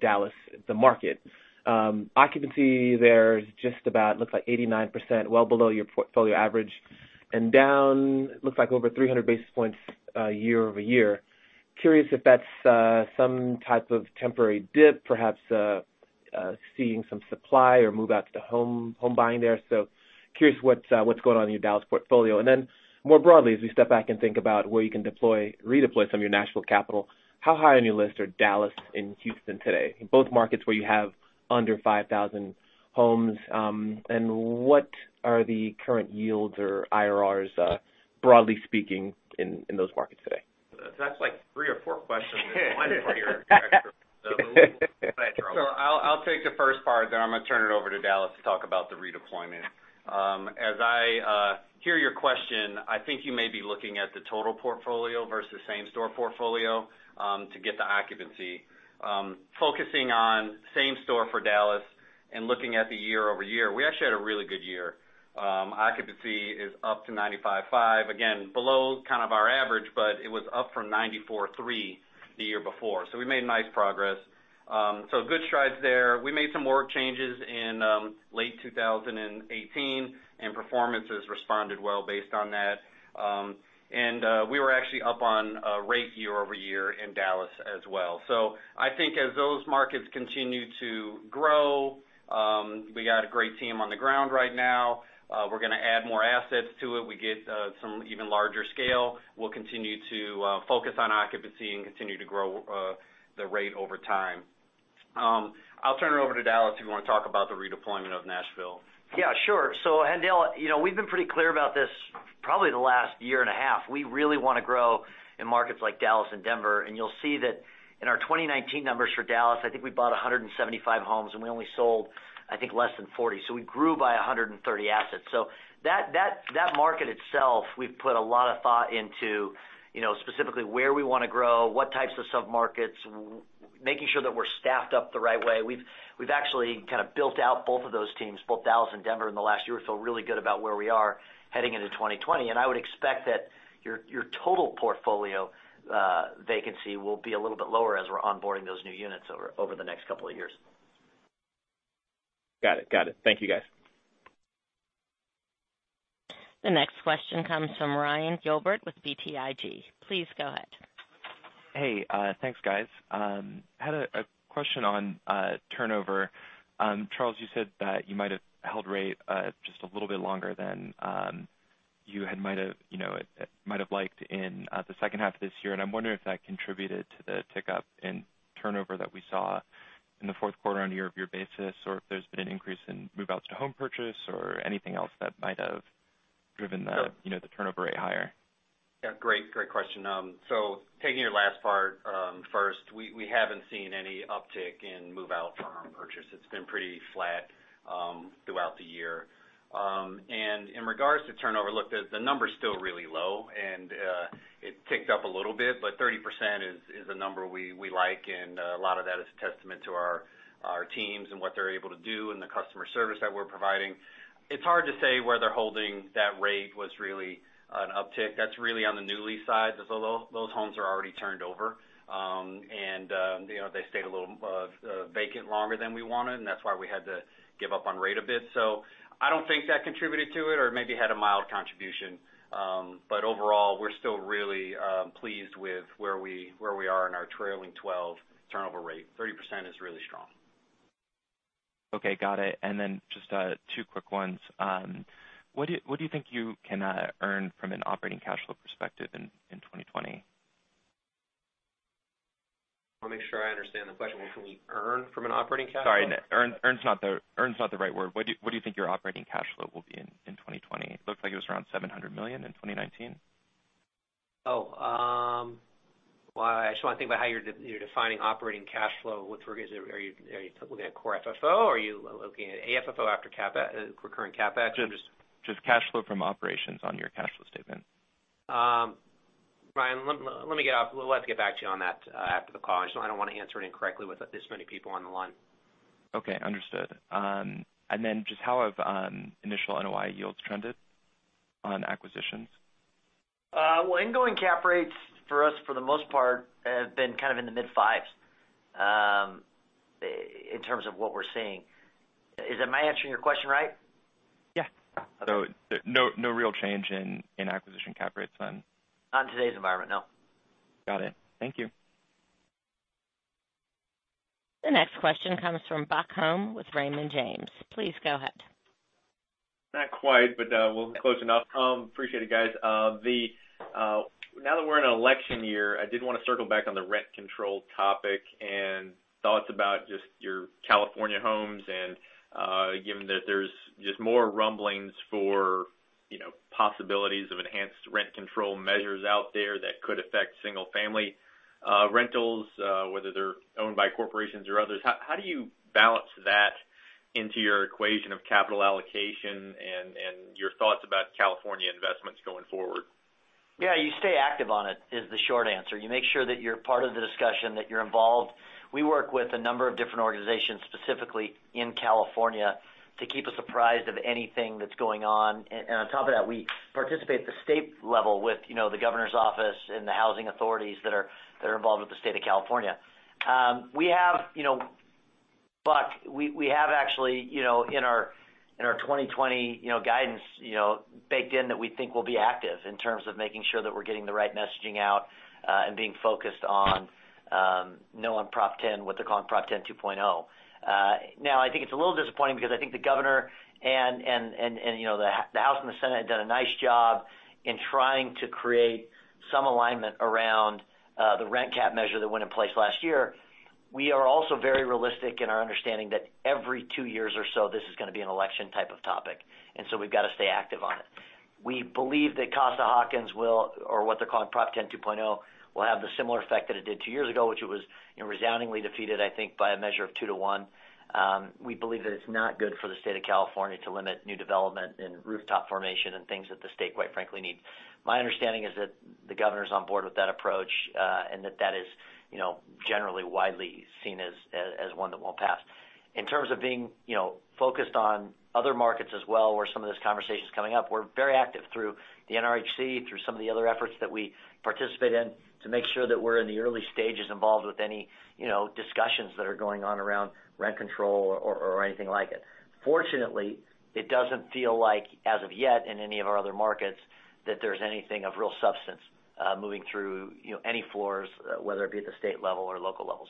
Dallas, the market. Occupancy there is just about, looks like 89%, well below your portfolio average, and down, looks like over 300 basis points year-over-year. Curious if that's some type of temporary dip, perhaps seeing some supply or move out to home buying there. Curious what's going on in your Dallas portfolio. Then more broadly, as we step back and think about where you can redeploy some of your national capital, how high on your list are Dallas and Houston today? Both markets where you have under 5,000 homes. What are the current yields or IRR, broadly speaking, in those markets today? That's like three or four questions in one for you. Go ahead, Charles. I'll take the first part, then I'm going to turn it over to Dallas to talk about the redeployment. I hear your question. I think you may be looking at the total portfolio versus the same-store portfolio to get the occupancy. Focusing on the same-store for Dallas and looking at the year-over-year, we actually had a really good year. Occupancy is up to 95.5%. Again, below kind of our average, but it was up from 94.3% the year before. We made nice progress. Good strides there. We made some org changes in late 2018, and performance has responded well based on that. We were actually up on rate year-over-year in Dallas as well. I think as those markets continue to grow, we have a great team on the ground right now. We're going to add more assets to it. We get some even larger scale. We'll continue to focus on occupancy and continue to grow the rate over time. I'll turn it over to Dallas if you want to talk about the redeployment of Nashville. Yeah, sure. Haendel, we've been pretty clear about this for probably the last year and a half. We really want to grow in markets like Dallas and Denver. You'll see that in our 2019 numbers for Dallas, I think we bought 175 homes, and we only sold, I think, less than 40. We grew by 130 assets. That market itself, we've put a lot of thought into specifically where we want to grow, what types of submarkets, making sure that we're staffed up the right way. We've actually kind of built out both of those teams, both Dallas and Denver, in the last year. We feel really good about where we are heading into 2020. I would expect that your total portfolio vacancy will be a little bit lower as we're onboarding those new units over the next couple of years. Got it. Thank you, guys. The next question comes from Ryan Gilbert with BTIG. Please go ahead. Hey, thanks, guys. Had a question on turnover. Charles, you said that you might have held rate just a little bit longer than you might have liked in the second half of this year, and I'm wondering if that contributed to the tick-up in turnover that we saw in the fourth quarter on a year-over-year basis, or if there's been an increase in move-outs to home purchase or anything else that might have driven the turnover rate higher? Yeah. Great question. Taking your last part first, we haven't seen any uptick in move-out from home purchase. It's been pretty flat throughout the year. In regard to turnover, look, the numbers are still really low, and it ticked up a little bit, but 30% is a number we like, and a lot of that is a testament to our teams and what they're able to do and the customer service that we're providing. It's hard to say where they're holding that rate was really an uptick. That's really on the new lease side; those homes are already turned over. They stayed a little vacant longer than we wanted, and that's why we had to give up on the rate a bit. I don't think that contributed to it, or maybe had a mild contribution. Overall, we're still really pleased with where we are in our trailing 12-month turnover rate. 30% is really strong. Okay, got it. Just two quick ones. What do you think you can earn from an operating cash flow perspective in 2020? Want to make sure I understand the question. What can we earn from an operating cash flow? Sorry, earn's not the right word. What do you think your operating cash flow will be in 2020? It looked like it was around $700 million in 2019. Oh. Well, I just want to think about how you're defining operating cash flow. Are you looking at Core FFO? Are you looking at AFFO after recurring CapEx? Just cash flow from operations on your cash flow statement. Ryan, we'll have to get back to you on that after the call. I just don't want to answer it incorrectly with this many people on the line. Okay, understood. Just how have initial NOI yields trended on acquisitions? Well, ingoing cap rates for us, for the most part, have been kind of in the mid-5% range, in terms of what we're seeing. Am I answering your question right? Yeah. No real change in acquisition cap rates then? Not in today's environment, no. Got it. Thank you. The next question comes from Buck Horne with Raymond James. Please go ahead. Not quite, but we're close enough. Horne, appreciate it, guys. Now that we're in an election year, I did want to circle back on the rent control topic and thoughts about just your California homes, and given that there's just more rumblings for possibilities of enhanced rent control measures out there that could affect single-family rentals, whether they're owned by corporations or others. How do you balance that into your equation of capital allocation and your thoughts about California investments going forward? Yeah, you stay active on it, is the short answer. You make sure that you're part of the discussion, that you're involved. We work with a number of different organizations, specifically in California, to keep us apprised of anything that's going on. On top of that, we participate at the state level with the governor's office and the housing authorities that are involved with the state of California. Buck, we have actually, in our 2020 guidance, baked in that we think we'll be active in terms of making sure that we're getting the right messaging out, and being focused on Proposition 10, what they're calling Proposition 10 2.0. I think it's a little disappointing because I think the governor and the House and the Senate had done a nice job in trying to create some alignment around the rent cap measure that went in place last year. We are also very realistic in our understanding that every two years or so, this is going to be an election-type topic, and so we've got to stay active on it. We believe that Costa-Hawkins will, or what they're calling Proposition 10 2.0, will have a similar effect that it did two years ago, which it was resoundingly defeated, I think, by a measure of 2:1. We believe that it's not good for the state of California to limit new development and rooftop formation and things that the state quite frankly needs. My understanding is that the governor's on board with that approach, and that that is generally widely seen as one that won't pass. In terms of being focused on other markets as well, where some of this conversation is coming up, we're very active through the NRHC, through some of the other efforts that we participate in to make sure that we're in the early stages involved with any discussions that are going on around rent control or anything like it. Fortunately, it doesn't feel like, as of yet, in any of our other markets, that there's anything of real substance moving through any floors, whether it be at the state level or local levels.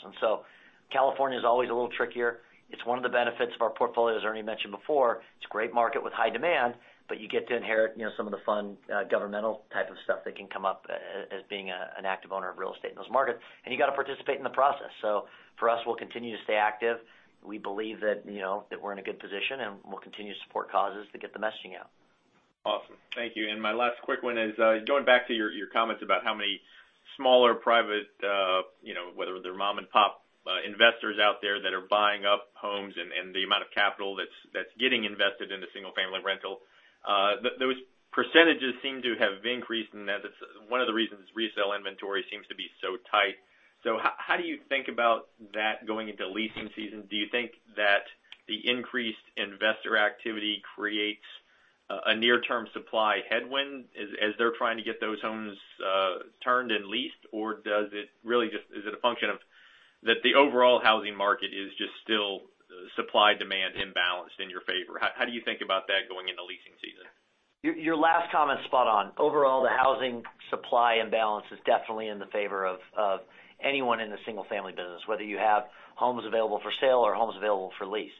California is always a little trickier. It's one of the benefits of our portfolio, as Ernie mentioned before. It's a great market with high demand, but you get to inherit some of the fun governmental type of stuff that can come up as being an active owner of real estate in those markets, and you got to participate in the process. For us, we'll continue to stay active. We believe that we're in a good position, and we'll continue to support causes to get the messaging out. Awesome. Thank you. My last quick one is going back to your comments about how many smaller private, whether they're mom and pop investors out there that are buying up homes, and the amount of capital that's getting invested in the single-family rental. Those percentages seem to have increased, and that is one of the reasons resale inventory seems to be so tight. How do you think about that going into leasing season? Do you think that the increased investor activity creates a near-term supply headwind as they're trying to get those homes turned and leased, or is it a function of that the overall housing market is just still supply-demand imbalanced in your favor? How do you think about that going into leasing season? Your last comment is spot on. The housing supply imbalance is definitely in favor of anyone in the single-family business, whether you have homes available for sale or homes available for lease.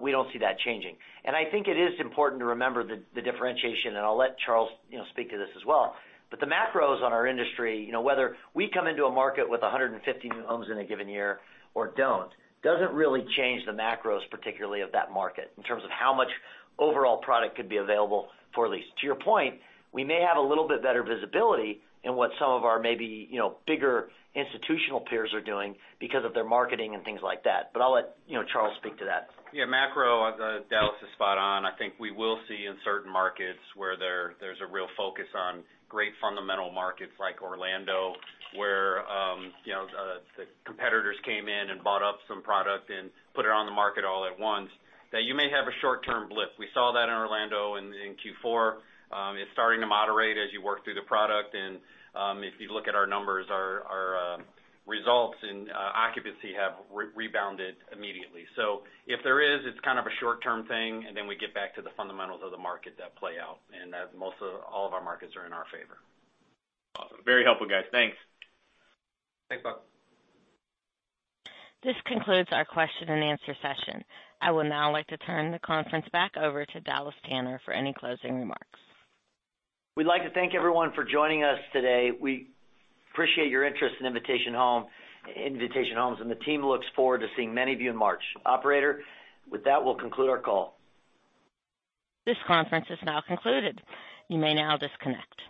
We don't see that changing. I think it is important to remember the differentiation, and I'll let Charles speak to this as well. The macros in our industry, whether we come into a market with 150 new homes in a given year or don't, doesn't really change the macros, particularly of that market, in terms of how much overall product could be available for a lease. To your point, we may have a little bit better visibility in what some of our maybe bigger institutional peers are doing because of their marketing and things like that. I'll let Charles speak to that. On macro, Dallas is spot on. I think we will see in certain markets where there's a real focus on great fundamental markets like Orlando, where the competitors came in and bought up some product and put it on the market all at once, that you may have a short-term blip. We saw that in Orlando in Q4. It's starting to moderate as you work through the product. If you look at our numbers, our results in occupancy have rebounded immediately. If there is, it's kind of a short-term thing, and then we get back to the fundamentals of the market that play out, and most of all, our markets are in our favor. Awesome. Very helpful, guys. Thanks. Thanks, Buck. This concludes our question-and-answer session. I would now like to turn the conference back over to Dallas Tanner for any closing remarks. We'd like to thank everyone for joining us today. We appreciate your interest in Invitation Homes, and the team looks forward to seeing many of you in March. Operator, with that, we'll conclude our call. This conference has now concluded. You may now disconnect.